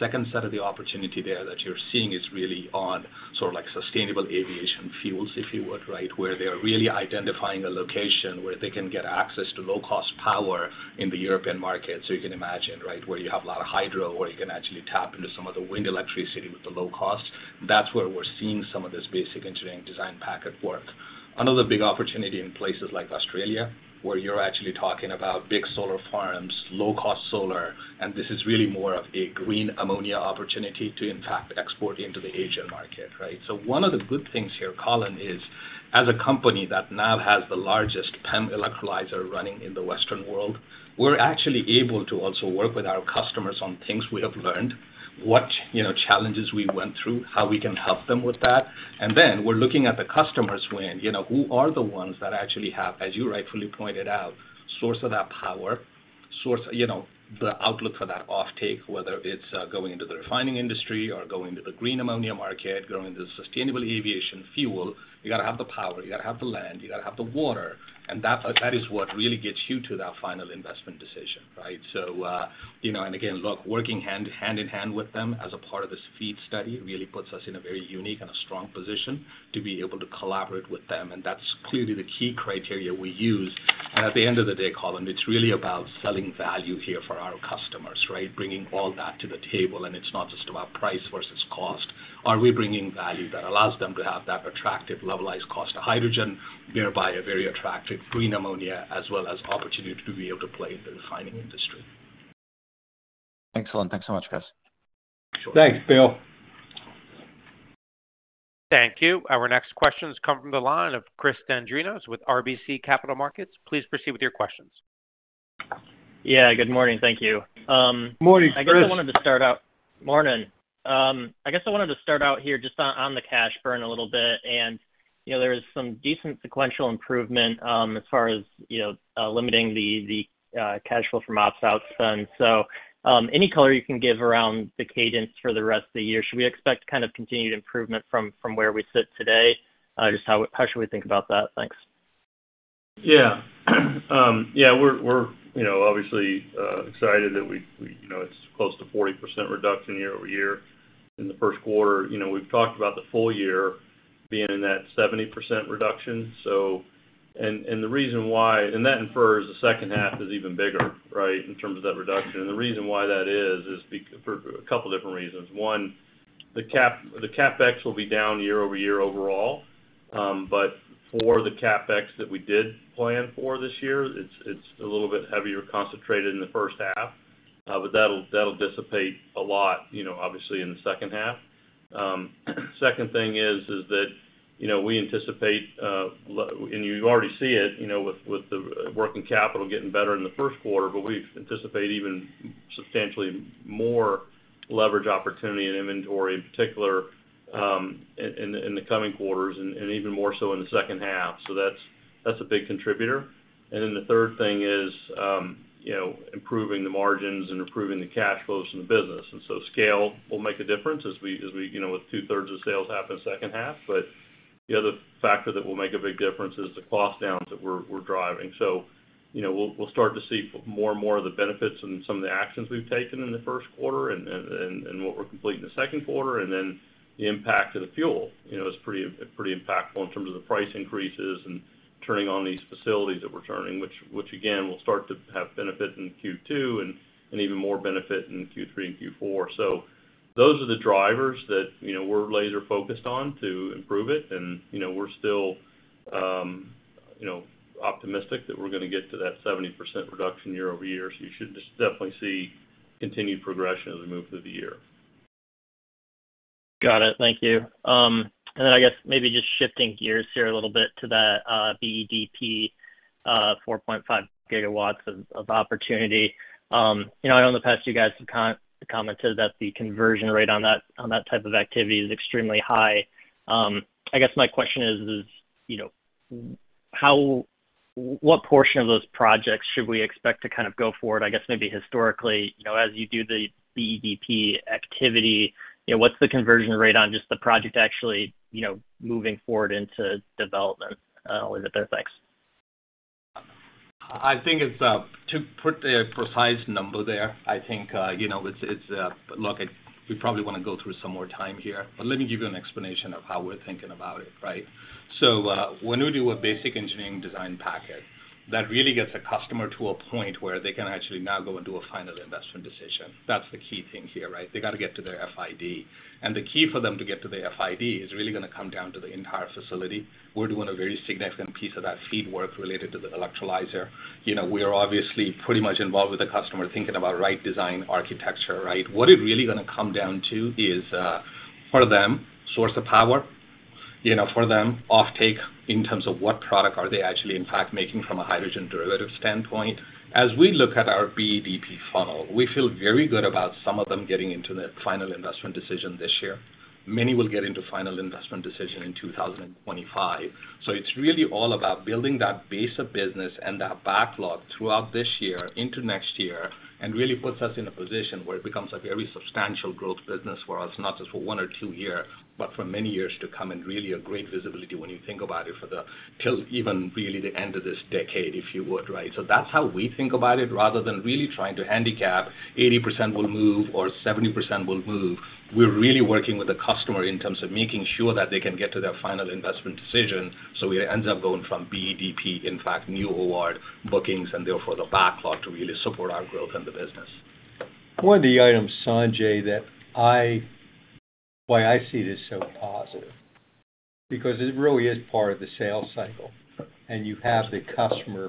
[SPEAKER 8] Second set of the opportunity there that you're seeing is really on sort of like sustainable aviation fuels, if you would, right? Where they are really identifying a location where they can get access to low-cost power in the European market. So you can imagine, right, where you have a lot of hydro, where you can actually tap into some of the wind electricity with the low cost. That's where we're seeing some of this basic engineering design package work. Another big opportunity in places like Australia, where you're actually talking about big solar farms, low-cost solar, and this is really more of a green ammonia opportunity to, in fact, export into the Asian market, right? So one of the good things here, Colin, is as a company that now has the largest PEM electrolyzer running in the Western world, we're actually able to also work with our customers on things we have learned, what, you know, challenges we went through, how we can help them with that. And then we're looking at the customer's win. You know, who are the ones that actually have, as you rightfully pointed out, source of that power, source... You know, the outlook for that offtake, whether it's going into the refining industry or going to the green ammonia market, going to the sustainable aviation fuel, you got to have the power, you got to have the land, you got to have the water, and that is what really gets you to that final investment decision, right? So, you know, and again, look, working hand in hand with them as a part of this FEED study, really puts us in a very unique and a strong position to be able to collaborate with them, and that's clearly the key criteria we use. And at the end of the day, Colin, it's really about selling value here for our customers, right? Bringing all that to the table, and it's not just about price versus cost. Are we bringing value that allows them to have that attractive levelized cost of hydrogen, thereby a very attractive green ammonia, as well as opportunity to be able to play in the refining industry?
[SPEAKER 10] Excellent. Thanks so much, guys.
[SPEAKER 6] Thanks, Bill.
[SPEAKER 1] Thank you. Our next questions come from the line of Chris Dendrinos with RBC Capital Markets. Please proceed with your questions.
[SPEAKER 11] Yeah, good morning. Thank you.
[SPEAKER 6] Morning, Chris.
[SPEAKER 11] I guess I wanted to start out—Morning. I guess I wanted to start out here just on the cash burn a little bit. And, you know, there is some decent sequential improvement, as far as, you know, limiting the cash flow from ops out spend. So, any color you can give around the cadence for the rest of the year, should we expect kind of continued improvement from where we sit today? Just how should we think about that? Thanks.
[SPEAKER 6] Yeah. Yeah, we're, you know, obviously excited that we, you know, it's close to 40% reduction year-over-year in the first quarter. You know, we've talked about the full year being in that 70% reduction, so. And, and the reason why and that infers the second half is even bigger, right, in terms of that reduction. And the reason why that is, is for a couple different reasons. One, the CapEx will be down year-over-year overall, but for the CapEx that we did plan for this year, it's a little bit heavier concentrated in the first half, but that'll dissipate a lot, you know, obviously, in the second half. Second thing is, is that, you know, we anticipate, and you already see it, you know, with, with the working capital getting better in the first quarter, but we anticipate even substantially more leverage opportunity and inventory in particular, in, in the, in the coming quarters and, and even more so in the second half. So that's, that's a big contributor. And then the third thing is, you know, improving the margins and improving the cash flows in the business. And so scale will make a difference as we, as we, you know, with two-thirds of sales half in the second half. But the other factor that will make a big difference is the cost downs that we're, we're driving. So, you know, we'll start to see more and more of the benefits and some of the actions we've taken in the first quarter and what we're completing in the second quarter, and then the impact of the fuel. You know, it's pretty, pretty impactful in terms of the price increases and turning on these facilities that we're turning, which again, will start to have benefit in Q2 and even more benefit in Q3 and Q4. So those are the drivers that, you know, we're laser focused on to improve it. And, you know, we're still, you know, optimistic that we're gonna get to that 70% reduction year-over-year. So you should just definitely see continued progression as we move through the year.
[SPEAKER 11] Got it. Thank you. And then I guess maybe just shifting gears here a little bit to the BEDP, 4.5 GW of opportunity. You know, I know in the past, you guys have commented that the conversion rate on that, on that type of activity is extremely high. I guess my question is, you know, what portion of those projects should we expect to kind of go forward? I guess maybe historically, you know, as you do the BEDP activity, you know, what's the conversion rate on just the project actually, you know, moving forward into development with it? Thanks.
[SPEAKER 8] I think it's to put a precise number there, I think, you know, it's... Look, we probably want to go through some more time here, but let me give you an explanation of how we're thinking about it, right? So, when we do a basic engineering design package that really gets a customer to a point where they can actually now go and do a final investment decision. That's the key thing here, right? They got to get to their FID. And the key for them to get to their FID is really going to come down to the entire facility. We're doing a very significant piece of that FEED work related to the electrolyzer. You know, we are obviously pretty much involved with the customer, thinking about right design, architecture, right? What it's really going to come down to is, for them, source of power, you know, for them, offtake in terms of what product are they actually, in fact, making from a hydrogen derivative standpoint. As we look at our BEDP funnel, we feel very good about some of them getting into the final investment decision this year. Many will get into final investment decision in 2025. So it's really all about building that base of business and that backlog throughout this year into next year, and really puts us in a position where it becomes a very substantial growth business for us, not just for one or two year, but for many years to come, and really a great visibility when you think about it, for the till even really the end of this decade, if you would, right? So that's how we think about it, rather than really trying to handicap 80% will move or 70% will move. We're really working with the customer in terms of making sure that they can get to their final investment decision, so it ends up going from BEDP, in fact, new award bookings, and therefore, the backlog to really support our growth in the business.
[SPEAKER 3] One of the items, Sanjay, that I, why I see this so positive, because it really is part of the sales cycle, and you have the customer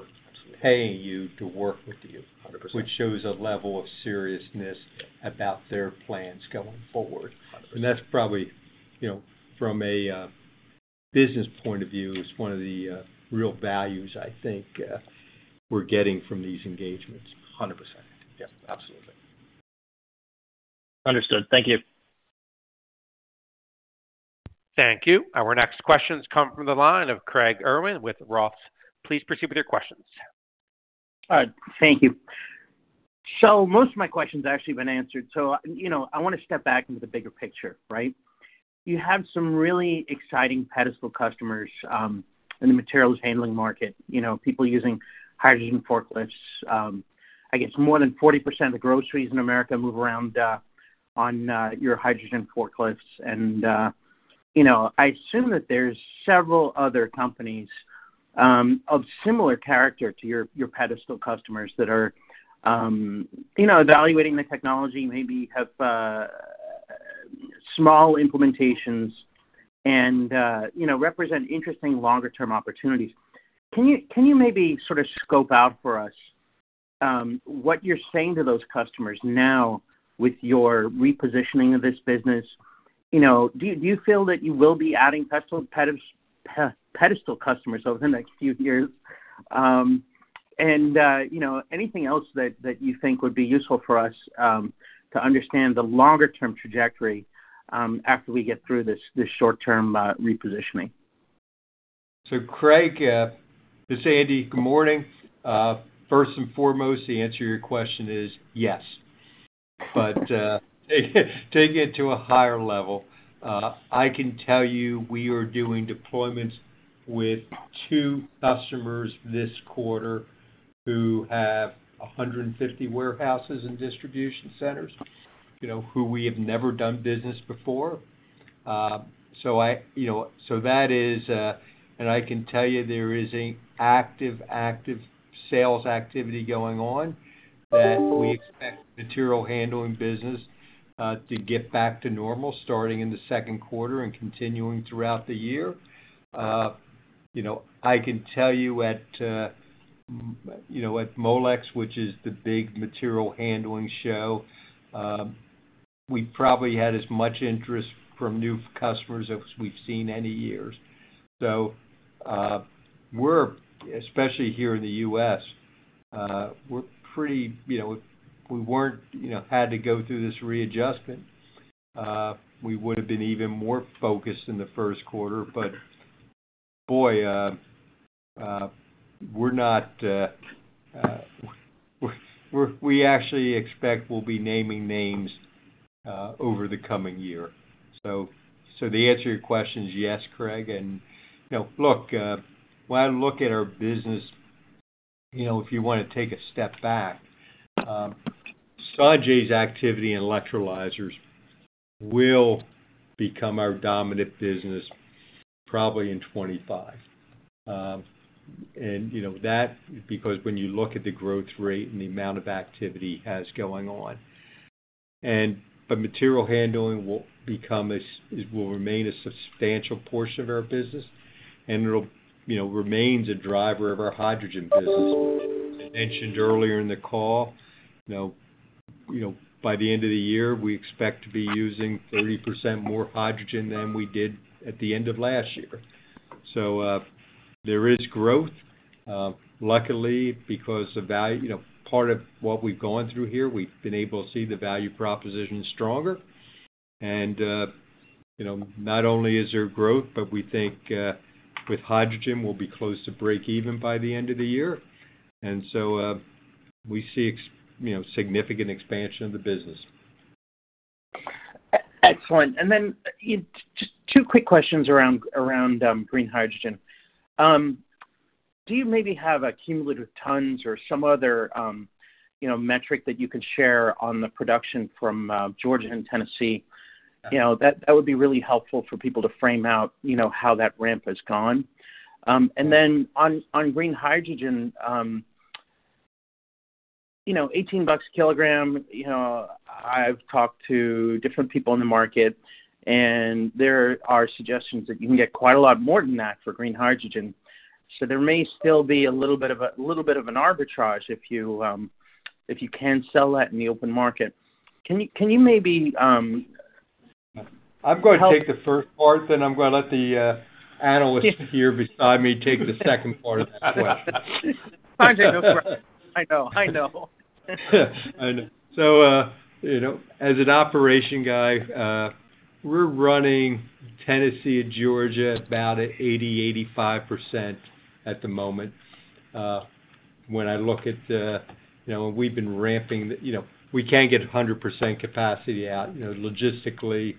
[SPEAKER 3] paying you to work with you.
[SPEAKER 8] Hundred percent.
[SPEAKER 3] - which shows a level of seriousness about their plans going forward.
[SPEAKER 8] Hundred percent.
[SPEAKER 3] And that's probably, you know, from a business point of view, is one of the real values I think we're getting from these engagements.
[SPEAKER 8] 100%. Yep, absolutely.
[SPEAKER 11] Understood. Thank you.
[SPEAKER 1] Thank you. Our next questions come from the line of Craig Irwin with Roth. Please proceed with your questions.
[SPEAKER 12] All right. Thank you. So most of my questions have actually been answered, so, you know, I want to step back into the bigger picture, right? You have some really exciting pedestal customers in the materials handling market, you know, people using hydrogen forklifts. I guess more than 40% of the groceries in America move around on your hydrogen forklifts. And, you know, I assume that there's several other companies of similar character to your pedestal customers that are, you know, evaluating the technology, maybe have small implementations and, you know, represent interesting longer-term opportunities. Can you maybe sort of scope out for us what you're saying to those customers now with your repositioning of this business? You know, do you feel that you will be adding pedestal customers over the next few years? And you know, anything else that you think would be useful for us to understand the longer-term trajectory after we get through this short-term repositioning?
[SPEAKER 3] So Craig, this is Andy. Good morning. First and foremost, the answer to your question is yes. But, taking it to a higher level, I can tell you we are doing deployments with two customers this quarter who have 150 warehouses and distribution centers, you know, who we have never done business before. So I-- you know, so that is, and I can tell you there is a active, active sales activity going on, that we expect material handling business to get back to normal, starting in the second quarter and continuing throughout the year. You know, I can tell you at, you know, at MODEX, which is the big material handling show, we probably had as much interest from new customers as we've seen any years. So, we're especially here in the U.S., you know, we weren't. You know, had to go through this readjustment, we would have been even more focused in the first quarter. But, boy, we're not, we actually expect we'll be naming names over the coming year. So, the answer to your question is yes, Craig. And, you know, look, when I look at our business, you know, if you want to take a step back, Sanjay's activity in electrolyzers will become our dominant business probably in 25. And, you know, that because when you look at the growth rate and the amount of activity he has going on. But material handling will remain a substantial portion of our business, and it'll, you know, remains a driver of our hydrogen business. As I mentioned earlier in the call, you know, by the end of the year, we expect to be using 30% more hydrogen than we did at the end of last year. So, there is growth. Luckily, because the value, you know, part of what we've gone through here, we've been able to see the value proposition stronger. And, you know, not only is there growth, but we think, with hydrogen, we'll be close to breakeven by the end of the year. And so, we see, you know, significant expansion of the business.
[SPEAKER 12] Excellent. And then, just two quick questions around green hydrogen. Do you maybe have a cumulative tons or some other, you know, metric that you could share on the production from Georgia and Tennessee?... you know, that would be really helpful for people to frame out, you know, how that ramp has gone. And then on green hydrogen, you know, $18 a kilogram, you know, I've talked to different people in the market, and there are suggestions that you can get quite a lot more than that for green hydrogen. So there may still be a little bit of a, little bit of an arbitrage if you, if you can sell that in the open market. Can you, can you maybe-
[SPEAKER 3] I'm going to take the first part, then I'm gonna let the analyst here beside me take the second part of that question.
[SPEAKER 6] Sanjay, no problem. I know. I know.
[SPEAKER 3] I know. So, you know, as an operation guy, we're running Tennessee and Georgia about at 80%-85% at the moment. When I look at the... You know, we've been ramping the-- you know, we can't get 100% capacity out. You know, logistically,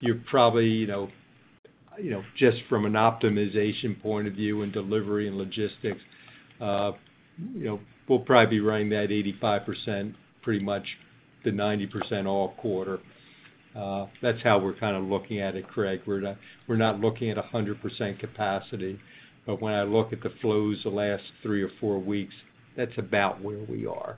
[SPEAKER 3] you're probably, you know, you know, just from an optimization point of view and delivery and logistics, you know, we'll probably be running that 85% pretty much to 90% all quarter. That's how we're kind of looking at it, Craig. We're not, we're not looking at 100% capacity. But when I look at the flows the last three or four weeks, that's about where we are.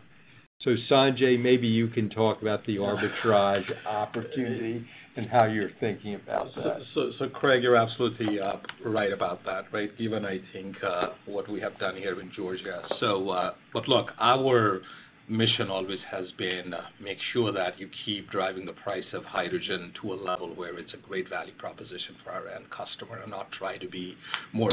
[SPEAKER 3] So, Sanjay, maybe you can talk about the arbitrage opportunity and how you're thinking about that.
[SPEAKER 8] So, so, Craig, you're absolutely right about that, right? Given, I think, what we have done here in Georgia. So, but look, our mission always has been, make sure that you keep driving the price of hydrogen to a level where it's a great value proposition for our end customer, and not try to be more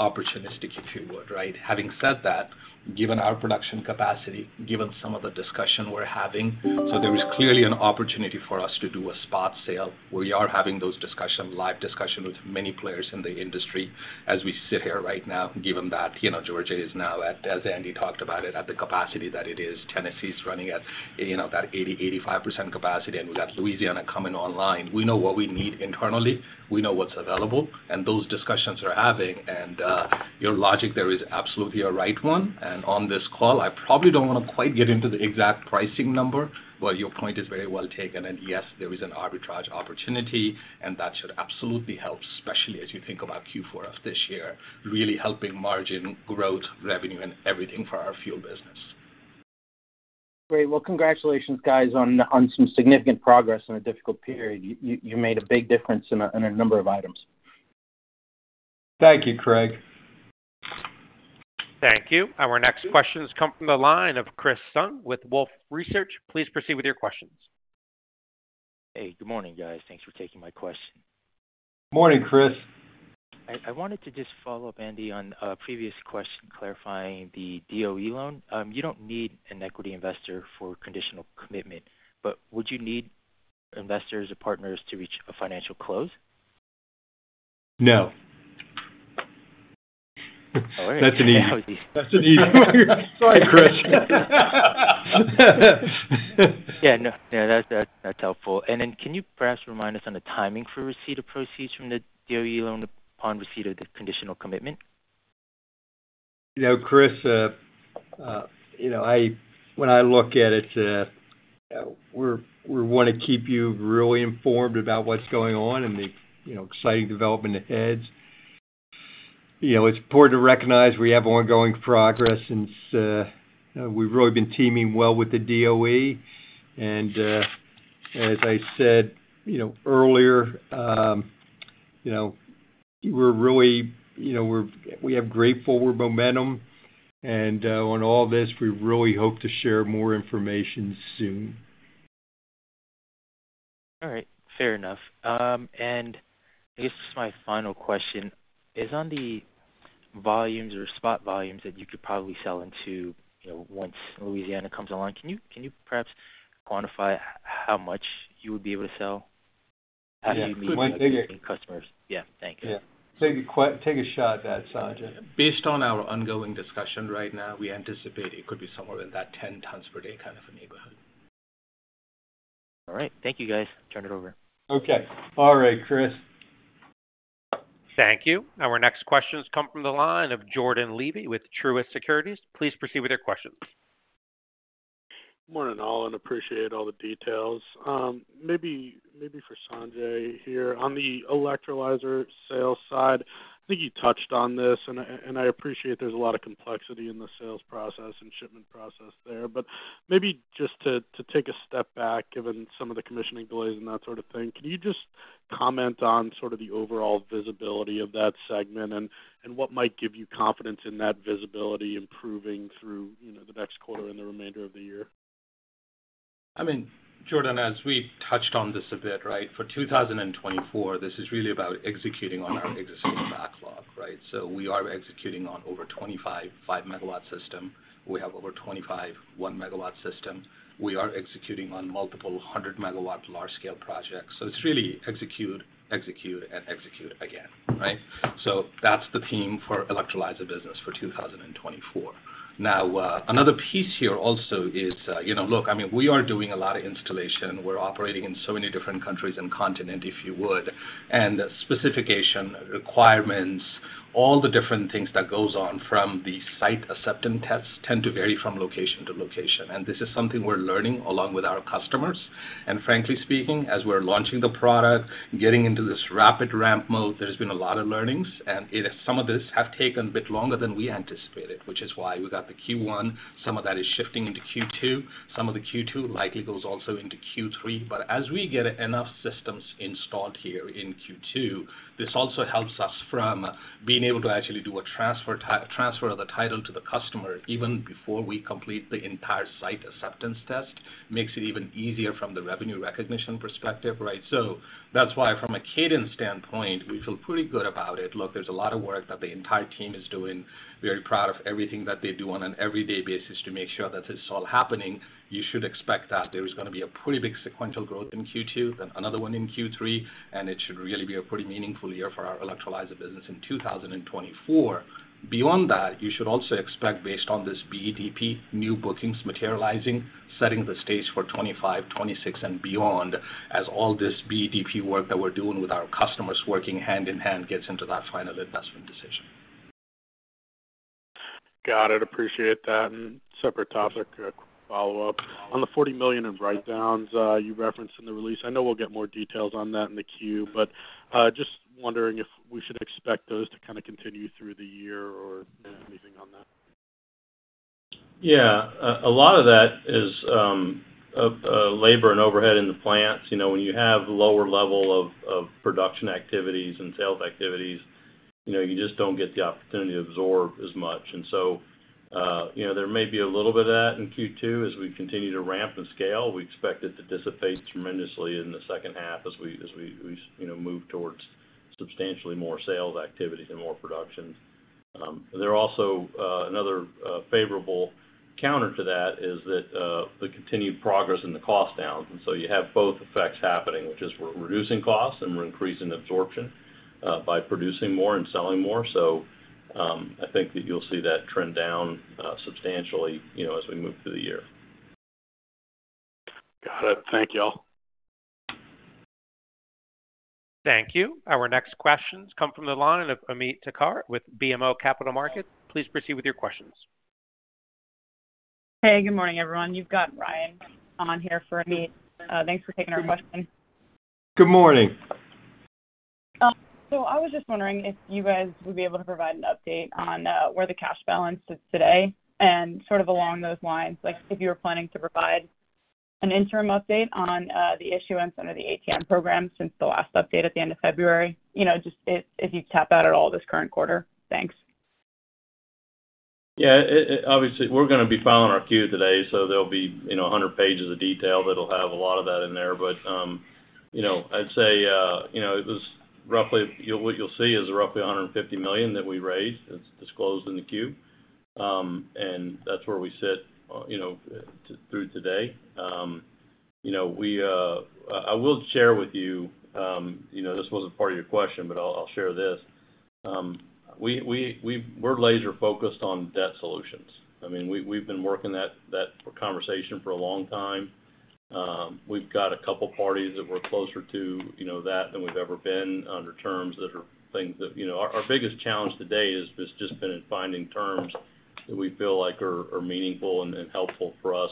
[SPEAKER 8] opportunistic, if you would, right? Having said that, given our production capacity, given some of the discussion we're having, so there is clearly an opportunity for us to do a spot sale. We are having those discussion, live discussion with many players in the industry as we sit here right now, given that, you know, Georgia is now at, as Andy talked about it, at the capacity that it is. Tennessee is running at, you know, about 80%-85% capacity, and we've got Louisiana coming online. We know what we need internally, we know what's available, and those discussions are having. And, your logic there is absolutely a right one, and on this call, I probably don't wanna quite get into the exact pricing number, but your point is very well taken. And yes, there is an arbitrage opportunity, and that should absolutely help, especially as you think about Q4 of this year, really helping margin, growth, revenue, and everything for our fuel business.
[SPEAKER 12] Great. Well, congratulations, guys, on some significant progress in a difficult period. You made a big difference in a number of items.
[SPEAKER 3] Thank you, Craig.
[SPEAKER 1] Thank you. Our next questions come from the line of Chris Seng with Wolfe Research. Please proceed with your questions.
[SPEAKER 13] Hey, good morning, guys. Thanks for taking my question.
[SPEAKER 3] Morning, Chris.
[SPEAKER 13] I wanted to just follow up, Andy, on a previous question clarifying the DOE loan. You don't need an equity investor for conditional commitment, but would you need investors or partners to reach a financial close?
[SPEAKER 3] No.
[SPEAKER 13] All right.
[SPEAKER 3] That's an easy-
[SPEAKER 8] That was easy.
[SPEAKER 3] That's an easy one. Sorry, Chris.
[SPEAKER 13] Yeah, that's helpful. And then can you perhaps remind us on the timing for receipt of proceeds from the DOE loan upon receipt of the conditional commitment?
[SPEAKER 3] You know, Chris, you know, when I look at it, we wanna keep you really informed about what's going on and the, you know, exciting development ahead. You know, it's important to recognize we have ongoing progress since we've really been teaming well with the DOE. And, as I said, you know, earlier, you know, we're really, you know, we have great forward momentum, and, on all this, we really hope to share more information soon.
[SPEAKER 13] All right. Fair enough. And I guess this is my final question: As on the volumes or spot volumes that you could probably sell into, you know, once Louisiana comes online, can you perhaps quantify how much you would be able to sell-
[SPEAKER 3] Yeah, could take it-
[SPEAKER 13] customers? Yeah. Thank you.
[SPEAKER 3] Yeah. Take a shot at that, Sanjay.
[SPEAKER 8] Based on our ongoing discussion right now, we anticipate it could be somewhere in that 10 tons per day kind of a neighborhood.
[SPEAKER 13] All right. Thank you, guys. Turn it over.
[SPEAKER 3] Okay. All right, Chris.
[SPEAKER 1] Thank you. Our next questions come from the line of Jordan Levy with Truist Securities. Please proceed with your questions.
[SPEAKER 14] Morning, all, and appreciate all the details. Maybe, maybe for Sanjay here. On the electrolyzer sales side, I think you touched on this, and I, and I appreciate there's a lot of complexity in the sales process and shipment process there. But maybe just to, to take a step back, given some of the commissioning delays and that sort of thing, can you just comment on sort of the overall visibility of that segment, and, and what might give you confidence in that visibility improving through, you know, the next quarter and the remainder of the year?
[SPEAKER 8] I mean, Jordan, as we touched on this a bit, right? For 2024, this is really about executing on our existing backlog, right? So we are executing on over 25 5 MW system. We have over 25 1 MW system. We are executing on multiple 100 MW large-scale projects. So it's really execute, execute, and execute again, right? So that's the theme for electrolyzer business for 2024. Now, another piece here also is, you know, look, I mean, we are doing a lot of installation. We're operating in so many different countries and continent, if you would, and specification, requirements, all the different things that goes on from the site acceptance tests tend to vary from location to location, and this is something we're learning along with our customers. Frankly speaking, as we're launching the product, getting into this rapid ramp mode, there's been a lot of learnings, and it, some of this have taken a bit longer than we anticipated, which is why we got the Q1. Some of that is shifting into Q2. Some of the Q2 likely goes also into Q3. As we get enough systems installed here in Q2, this also helps us from being able to actually do a transfer of the title to the customer, even before we complete the entire site acceptance test, makes it even easier from the revenue recognition perspective, right? That's why, from a cadence standpoint, we feel pretty good about it. Look, there's a lot of work that the entire team is doing. Very proud of everything that they do on an every day basis to make sure that this is all happening. You should expect that there is gonna be a pretty big sequential growth in Q2, then another one in Q3, and it should really be a pretty meaningful year for our electrolyzer business in 2024. Beyond that, you should also expect, based on this BEDP, new bookings materializing, setting the stage for 2025, 2026, and beyond, as all this BEDP work that we're doing with our customers, working hand in hand, gets into that final investment decision.
[SPEAKER 14] Got it. Appreciate that. Separate topic, a quick follow-up. On the $40 million in write-downs, you referenced in the release, I know we'll get more details on that in the queue, but, just wondering if we should expect those to kind of continue through the year or anything on that?
[SPEAKER 6] Yeah. A lot of that is labor and overhead in the plants. You know, when you have lower level of production activities and sales activities, you know, you just don't get the opportunity to absorb as much. And so, you know, there may be a little bit of that in Q2. As we continue to ramp and scale, we expect it to dissipate tremendously in the second half as we you know, move towards substantially more sales activities and more production. There are also another favorable counter to that, is that the continued progress in the cost down. And so you have both effects happening, which is we're reducing costs, and we're increasing absorption by producing more and selling more. I think that you'll see that trend down substantially, you know, as we move through the year.
[SPEAKER 14] Got it. Thank you all.
[SPEAKER 1] Thank you. Our next questions come from the line of Ameet Thakkar with BMO Capital Markets. Please proceed with your questions.
[SPEAKER 15] Hey, good morning, everyone. You've got *audio distortion* on here for Ameet. Thanks for taking our question.
[SPEAKER 6] Good morning.
[SPEAKER 15] So I was just wondering if you guys would be able to provide an update on where the cash balance is today, and sort of along those lines, like, if you were planning to provide an interim update on the issuance under the ATM program since the last update at the end of February? You know, just if you'd tap that at all this current quarter. Thanks.
[SPEAKER 6] Yeah, obviously, we're gonna be filing our queue today, so there'll be, you know, 100 pages of detail that'll have a lot of that in there. But, you know, I'd say, you know, it was roughly—what you'll see is roughly $150 million that we raised. It's disclosed in the queue. And that's where we sit, you know, through today. You know, we... I will share with you, you know, this wasn't part of your question, but I'll share this. We, we're laser-focused on debt solutions. I mean, we, we've been working that conversation for a long time. We've got a couple parties that we're closer to, you know, that than we've ever been under terms that are things that... You know, our, our biggest challenge today has just been in finding terms that we feel like are, are meaningful and, and helpful for us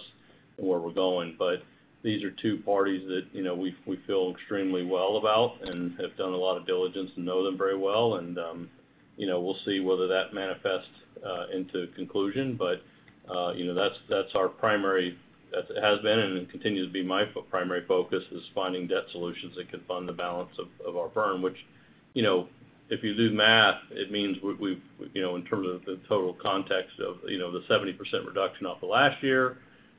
[SPEAKER 6] and where we're going. But these are two parties that, you know, we, we feel extremely well about and have done a lot of diligence and know them very well. And, you know, we'll see whether that manifests into conclusion. But, you know, that's our primary—that has been and it continues to be my primary focus, is finding debt solutions that can fund the balance of our firm, which, you know, if you do the math, it means we, you know, in terms of the total context of, you know, the 70% reduction off the last year,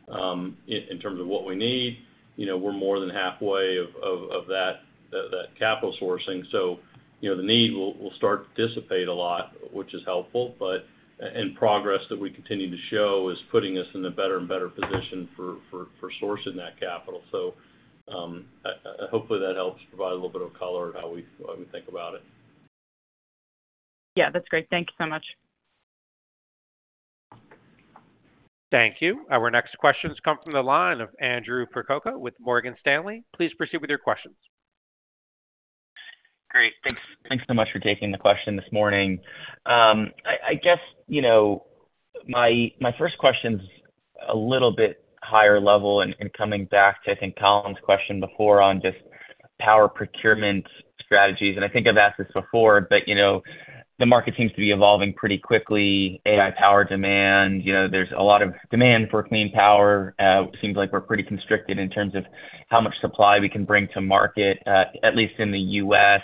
[SPEAKER 6] in terms of what we need, you know, we're more than halfway of that capital sourcing. So, you know, the need will start to dissipate a lot, which is helpful, but—and progress that we continue to show is putting us in a better and better position for sourcing that capital. So, hopefully, that helps provide a little bit of color on how we think about it.
[SPEAKER 15] Yeah, that's great. Thank you so much.
[SPEAKER 1] Thank you. Our next questions come from the line of Andrew Percoco with Morgan Stanley. Please proceed with your questions.
[SPEAKER 16] Great. Thanks, thanks so much for taking the question this morning. I guess, you know, my first question's a little bit higher level and coming back to, I think, Colin's question before on just power procurement strategies, and I think I've asked this before, but, you know, the market seems to be evolving pretty quickly. AI power demand, you know, there's a lot of demand for clean power. Seems like we're pretty constricted in terms of how much supply we can bring to market, at least in the U.S.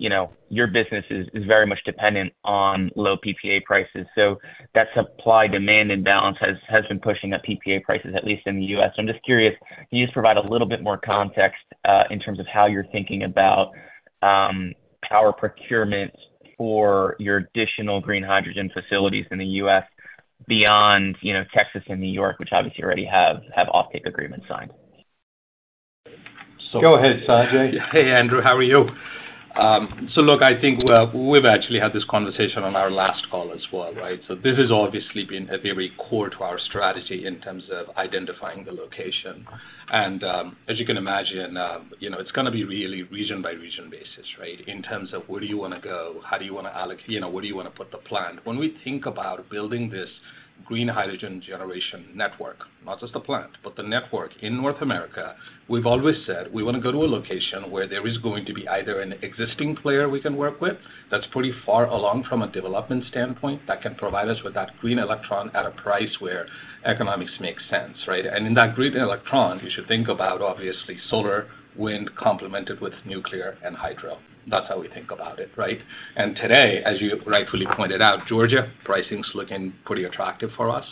[SPEAKER 16] You know, your business is very much dependent on low PPA prices. So that supply-demand imbalance has been pushing up PPA prices, at least in the U.S. I'm just curious, can you just provide a little bit more context in terms of how you're thinking about power procurement for your additional green hydrogen facilities in the U.S. beyond, you know, Texas and New York, which obviously already have offtake agreements signed?
[SPEAKER 8] So-
[SPEAKER 6] Go ahead, Sanjay.
[SPEAKER 8] Hey, Andrew, how are you? So look, I think we've actually had this conversation on our last call as well, right? So this has obviously been very core to our strategy in terms of identifying the location. As you can imagine, you know, it's gonna be really region by region basis, right? In terms of where do you wanna go? How do you wanna, you know, where do you wanna put the plant? When we think about building this green hydrogen generation network, not just the plant, but the network in North America, we've always said we want to go to a location where there is going to be either an existing player we can work with, that's pretty far along from a development standpoint, that can provide us with that green electron at a price where economics makes sense, right? And in that green electrons, you should think about, obviously, solar, wind, complemented with nuclear and hydro. That's how we think about it, right? And today, as you rightfully pointed out, Georgia, pricing's looking pretty attractive for us.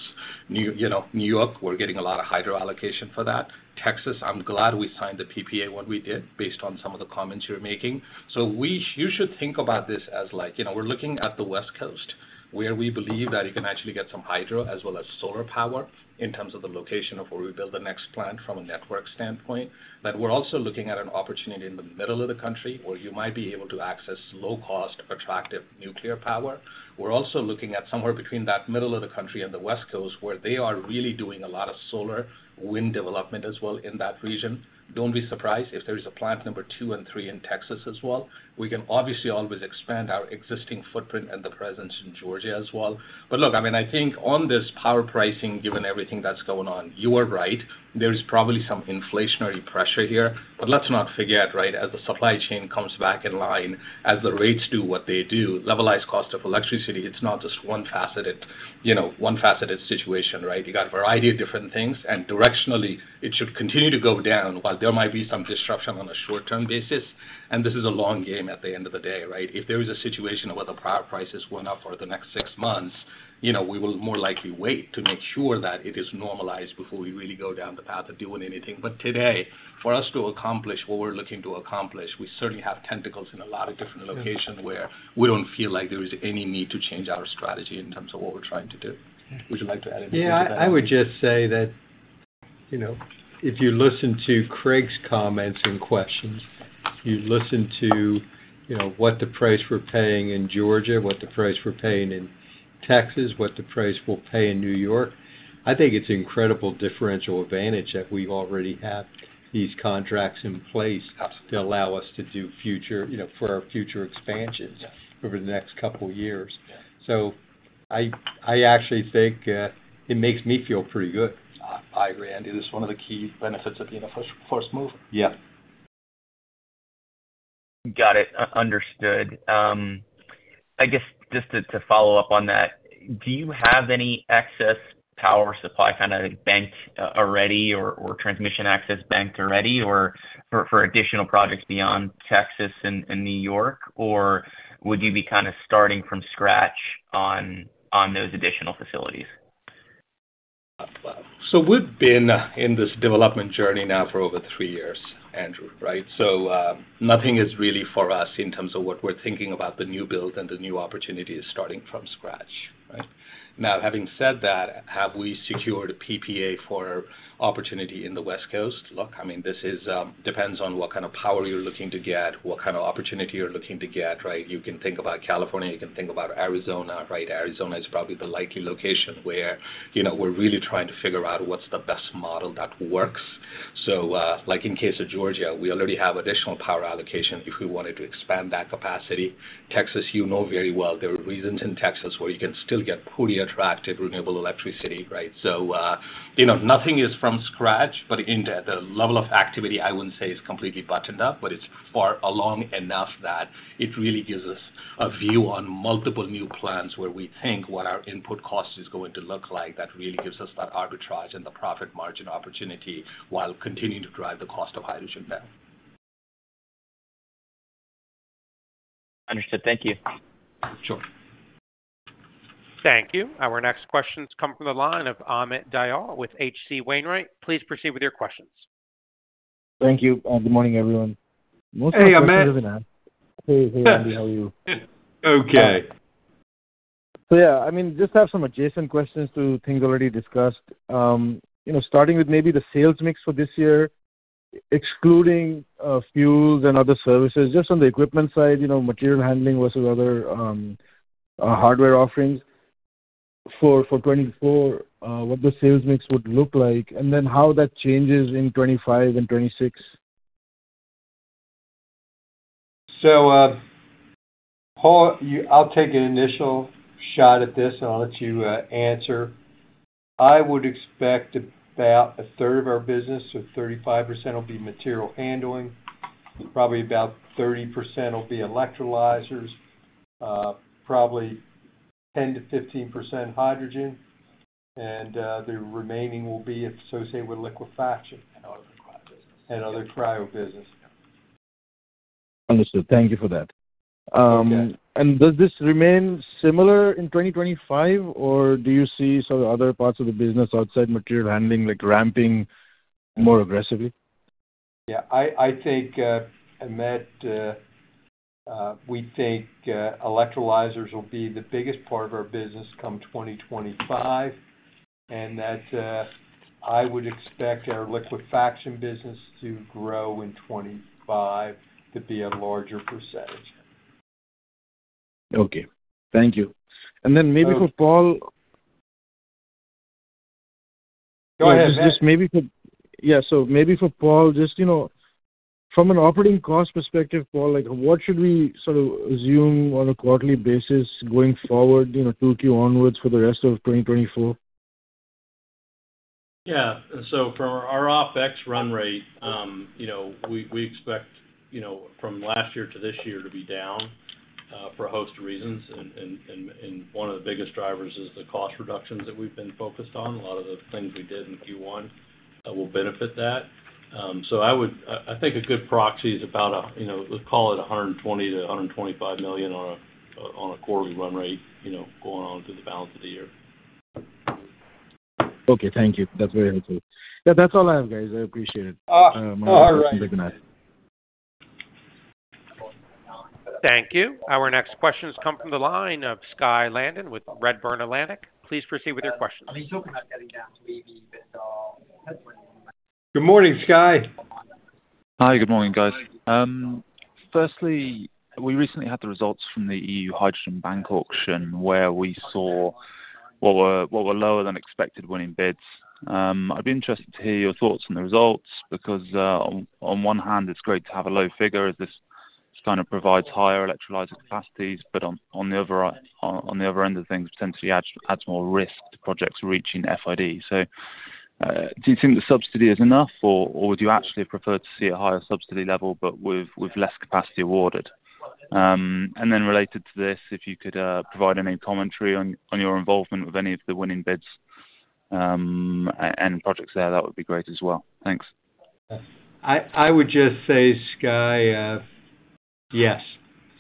[SPEAKER 8] New York, you know, we're getting a lot of hydro allocation for that. Texas, I'm glad we signed the PPA when we did, based on some of the comments you're making. So, you should think about this as like, you know, we're looking at the West Coast, where we believe that you can actually get some hydro as well as solar power in terms of the location of where we build the next plant from a network standpoint. But we're also looking at an opportunity in the middle of the country, where you might be able to access low-cost, attractive nuclear power. We're also looking at somewhere between that middle of the country and the West Coast, where they are really doing a lot of solar, wind development as well in that region. Don't be surprised if there is a plant number 2 and 3 in Texas as well. We can obviously always expand our existing footprint and the presence in Georgia as well. But look, I mean, I think on this power pricing, given everything that's going on, you are right, there is probably some inflationary pressure here. But let's not forget, right, as the supply chain comes back in line, as the rates do what they do, levelized cost of electricity, it's not just one-faceted, you know, one-faceted situation, right? You got a variety of different things, and directionally, it should continue to go down, while there might be some disruption on a short-term basis. This is a long game at the end of the day, right? If there is a situation where the power prices went up for the next six months, you know, we will more likely wait to make sure that it is normalized before we really go down the path of doing anything. But today, for us to accomplish what we're looking to accomplish, we certainly have tentacles in a lot of different locations where we don't feel like there is any need to change our strategy in terms of what we're trying to do. Would you like to add anything to that?
[SPEAKER 3] Yeah, I would just say that, you know, if you listen to Craig's comments and questions, you listen to, you know, what the price we're paying in Georgia, what the price we're paying in Texas, what the price we'll pay in New York, I think it's incredible differential advantage that we already have these contracts in place to allow us to do future, you know, for our future expansions over the next couple of years. So I, I actually think it makes me feel pretty good.
[SPEAKER 8] I agree, Andy. This is one of the key benefits of being a first, first move.
[SPEAKER 3] Yeah.
[SPEAKER 16] Got it. Understood. I guess just to follow up on that, do you have any excess power supply kind of banked already or transmission access banked already, or for additional projects beyond Texas and New York? Or would you be kind of starting from scratch on those additional facilities?
[SPEAKER 8] So we've been in this development journey now for over three years, Andrew, right? So, nothing is really for us in terms of what we're thinking about the new build and the new opportunities starting from scratch, right? Now, having said that, have we secured a PPA for opportunity in the West Coast? Look, I mean, this is, depends on what kind of power you're looking to get, what kind of opportunity you're looking to get, right? You can think about California, you can think about Arizona, right? Arizona is probably the likely location where, you know, we're really trying to figure out what's the best model that works. So, like in case of Georgia, we already have additional power allocation if we wanted to expand that capacity. Texas, you know very well, there are reasons in Texas where you can still get pretty attractive renewable electricity, right? So, you know, nothing is from scratch, but again, the level of activity I wouldn't say is completely buttoned up, but it's far along enough that it really gives us a view on multiple new plans where we think what our input cost is going to look like, that really gives us that arbitrage and the profit margin opportunity while continuing to drive the cost of hydrogen down.
[SPEAKER 16] Understood. Thank you.
[SPEAKER 8] Sure.
[SPEAKER 1] Thank you. Our next question comes from the line of Amit Dayal with H.C. Wainwright. Please proceed with your questions.
[SPEAKER 17] Thank you, and good morning, everyone.
[SPEAKER 3] Hey, Amit.
[SPEAKER 17] Hey, hey, how are you?
[SPEAKER 3] Okay.
[SPEAKER 17] So yeah, I mean, just have some adjacent questions to things already discussed. You know, starting with maybe the sales mix for this year, excluding, fuels and other services, just on the equipment side, you know, material handling versus other, hardware offerings, for 2024, what the sales mix would look like, and then how that changes in 2025 and 2026.
[SPEAKER 3] So, Paul, I'll take an initial shot at this, and I'll let you answer. I would expect about a third of our business, so 35% will be material handling, probably about 30% will be electrolyzers, probably 10%-15% hydrogen, and the remaining will be associated with liquefaction.
[SPEAKER 8] Other cryo business.
[SPEAKER 3] Other cryo business.
[SPEAKER 17] Understood. Thank you for that.
[SPEAKER 3] Okay.
[SPEAKER 17] Does this remain similar in 2025, or do you see some other parts of the business outside material handling, like, ramping more aggressively?
[SPEAKER 3] Yeah, I think, Amit, we think electrolyzers will be the biggest part of our business come 2025, and that I would expect our liquefaction business to grow in 25 to be a larger percentage.
[SPEAKER 17] Okay. Thank you.
[SPEAKER 3] Uh-
[SPEAKER 17] And then maybe for Paul.
[SPEAKER 3] Go ahead.
[SPEAKER 17] Just maybe for Paul, you know, from an operating cost perspective, Paul, like, what should we sort of assume on a quarterly basis going forward, you know, 2Q onwards for the rest of 2024?
[SPEAKER 6] Yeah. So from our OpEx run rate, you know, we expect, you know, from last year to this year to be down for a host of reasons, and one of the biggest drivers is the cost reductions that we've been focused on. A lot of the things we did in Q1 will benefit that. So I would... I think a good proxy is about, you know, let's call it $100 million-$125 million on a quarterly run rate, you know, going on through the balance of the year.
[SPEAKER 17] Okay, thank you. That's very helpful. Yeah, that's all I have, guys. I appreciate it.
[SPEAKER 3] All right.
[SPEAKER 17] Thank you, bye.
[SPEAKER 1] Thank you. Our next question has come from the line of Skye Landon with Redburn Atlantic. Please proceed with your question.
[SPEAKER 3] Good morning, Skye.
[SPEAKER 18] Hi, good morning, guys. Firstly, we recently had the results from the EU Hydrogen Bank auction, where we saw what were lower than expected winning bids. I'd be interested to hear your thoughts on the results, because on one hand, it's great to have a low figure, as this kind of provides higher electrolyzer capacities, but on the other end of things, potentially adds more risk to projects reaching FID. So, do you think the subsidy is enough, or would you actually prefer to see a higher subsidy level but with less capacity awarded? And then related to this, if you could provide any commentary on your involvement with any of the winning bids and projects there, that would be great as well. Thanks.
[SPEAKER 3] I would just say, Skye, yes,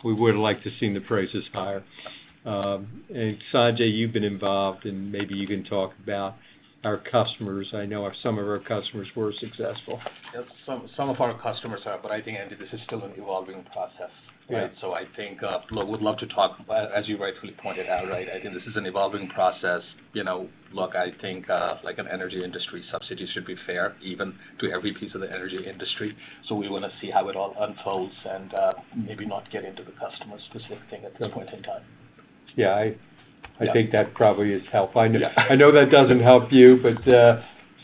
[SPEAKER 3] we would like to have seen the prices higher. And Sanjay, you've been involved, and maybe you can talk about our customers. I know some of our customers were successful.
[SPEAKER 8] Yep. Some, some of our customers are, but I think, Andy, this is still an evolving process.
[SPEAKER 3] Right.
[SPEAKER 8] So I think. Look, we'd love to talk about, as you rightfully pointed out, right? I think this is an evolving process, you know. Look, I think, like an energy industry, subsidies should be fair, even to every piece of the energy industry. So we want to see how it all unfolds and, maybe not get into the customer-specific thing at this point in time.
[SPEAKER 3] Yeah, I think that probably is helpful.
[SPEAKER 8] Yeah.
[SPEAKER 3] I know that doesn't help you, but,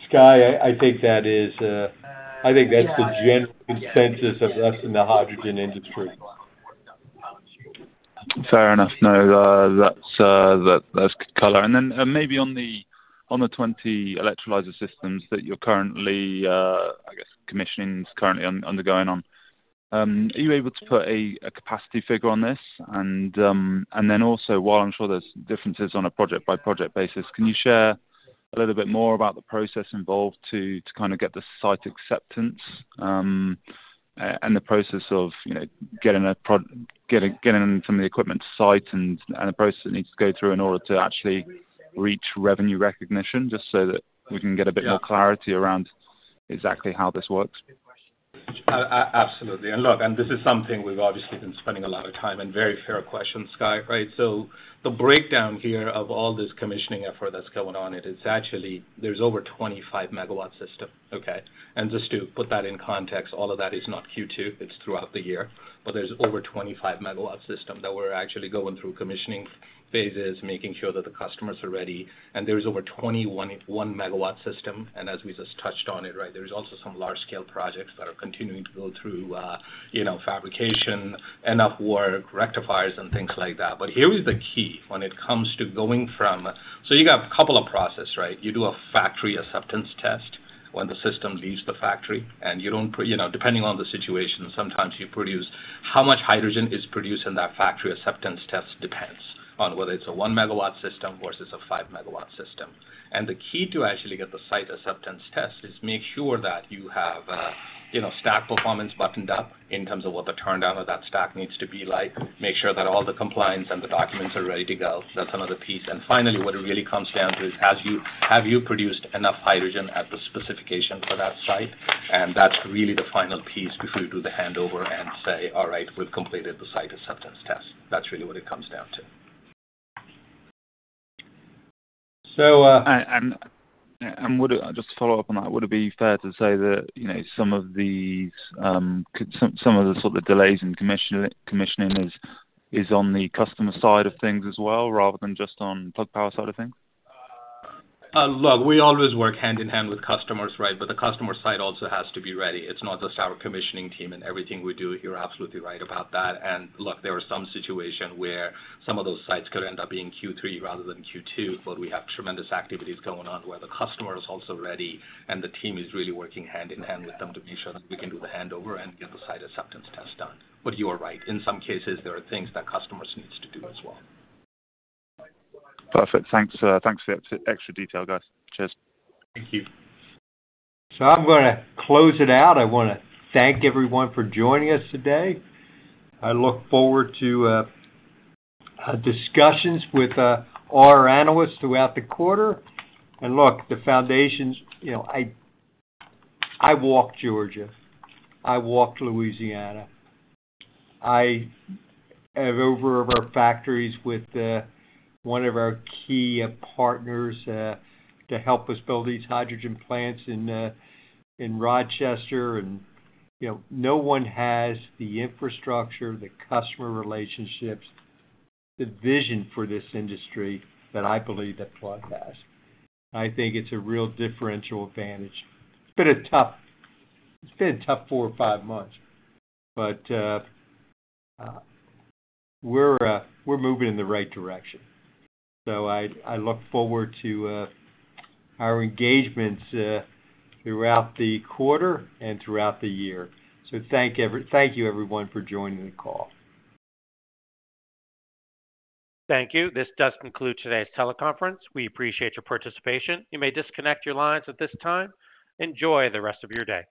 [SPEAKER 3] Skye, I think that's the general consensus of us in the hydrogen industry.
[SPEAKER 18] Fair enough. No, that's, that, that's color. And then, and maybe on the, on the 20 electrolyzer systems that you're currently, I guess, commissioning is currently undergoing on, are you able to put a, a capacity figure on this? And, and then also, while I'm sure there's differences on a project-by-project basis, can you share a little bit more about the process involved to, to kind of get the site acceptance, and the process of, you know, getting, getting some of the equipment to site and, and the process it needs to go through in order to actually reach revenue recognition, just so that we can get a bit more-
[SPEAKER 3] Yeah...
[SPEAKER 18] clarity around exactly how this works?
[SPEAKER 8] Absolutely. And look, and this is something we've obviously been spending a lot of time and very fair question, Skye, right? So the breakdown here of all this commissioning effort that's going on, it is actually there's over 25 MW system, okay? And just to put that in context, all of that is not Q2, it's throughout the year. But there's over 25 MW system that we're actually going through commissioning phases, making sure that the customers are ready, and there is over 21 1 MW system. And as we just touched on it, right, there's also some large-scale projects that are continuing to go through, you know, fabrication, enough work, rectifiers and things like that. But here is the key when it comes to going from. So you got a couple of process, right? You do a factory acceptance test when the system leaves the factory, and you don't, you know, depending on the situation, sometimes you produce. How much hydrogen is produced in that factory acceptance test depends on whether it's a 1-megawatt system versus a 5 MW system. And the key to actually get the site acceptance test is make sure that you have, you know, stack performance buttoned up in terms of what the turndown of that stack needs to be like. Make sure that all the compliance and the documents are ready to go. That's another piece. And finally, what it really comes down to is, have you produced enough hydrogen at the specification for that site? And that's really the final piece before you do the handover and say, "All right, we've completed the site acceptance test." That's really what it comes down to.
[SPEAKER 3] So, uh-
[SPEAKER 18] Just to follow up on that, would it be fair to say that, you know, some of these, some of the sort of delays in commissioning is on the customer side of things as well, rather than just on Plug Power side of things?
[SPEAKER 8] Look, we always work hand in hand with customers, right? But the customer side also has to be ready. It's not just our commissioning team and everything we do. You're absolutely right about that. And look, there are some situations where some of those sites could end up being Q3 rather than Q2, but we have tremendous activities going on where the customer is also ready, and the team is really working hand in hand with them to be sure that we can do the handover and get the site acceptance test done. But you are right. In some cases, there are things that customers need to do as well.
[SPEAKER 18] Perfect. Thanks, thanks for the extra detail, guys. Cheers.
[SPEAKER 8] Thank you.
[SPEAKER 3] So I'm gonna close it out. I want to thank everyone for joining us today. I look forward to discussions with our analysts throughout the quarter. And look, the foundations, you know, I walked Georgia, I walked Louisiana. I head over of our factories with one of our key partners to help us build these hydrogen plants in Rochester. And, you know, no one has the infrastructure, the customer relationships, the vision for this industry that I believe that Plug has. I think it's a real differential advantage. It's been a tough four or five months, but we're moving in the right direction. So I look forward to our engagements throughout the quarter and throughout the year. So thank you everyone for joining the call.
[SPEAKER 1] Thank you. This does conclude today's teleconference. We appreciate your participation. You may disconnect your lines at this time. Enjoy the rest of your day.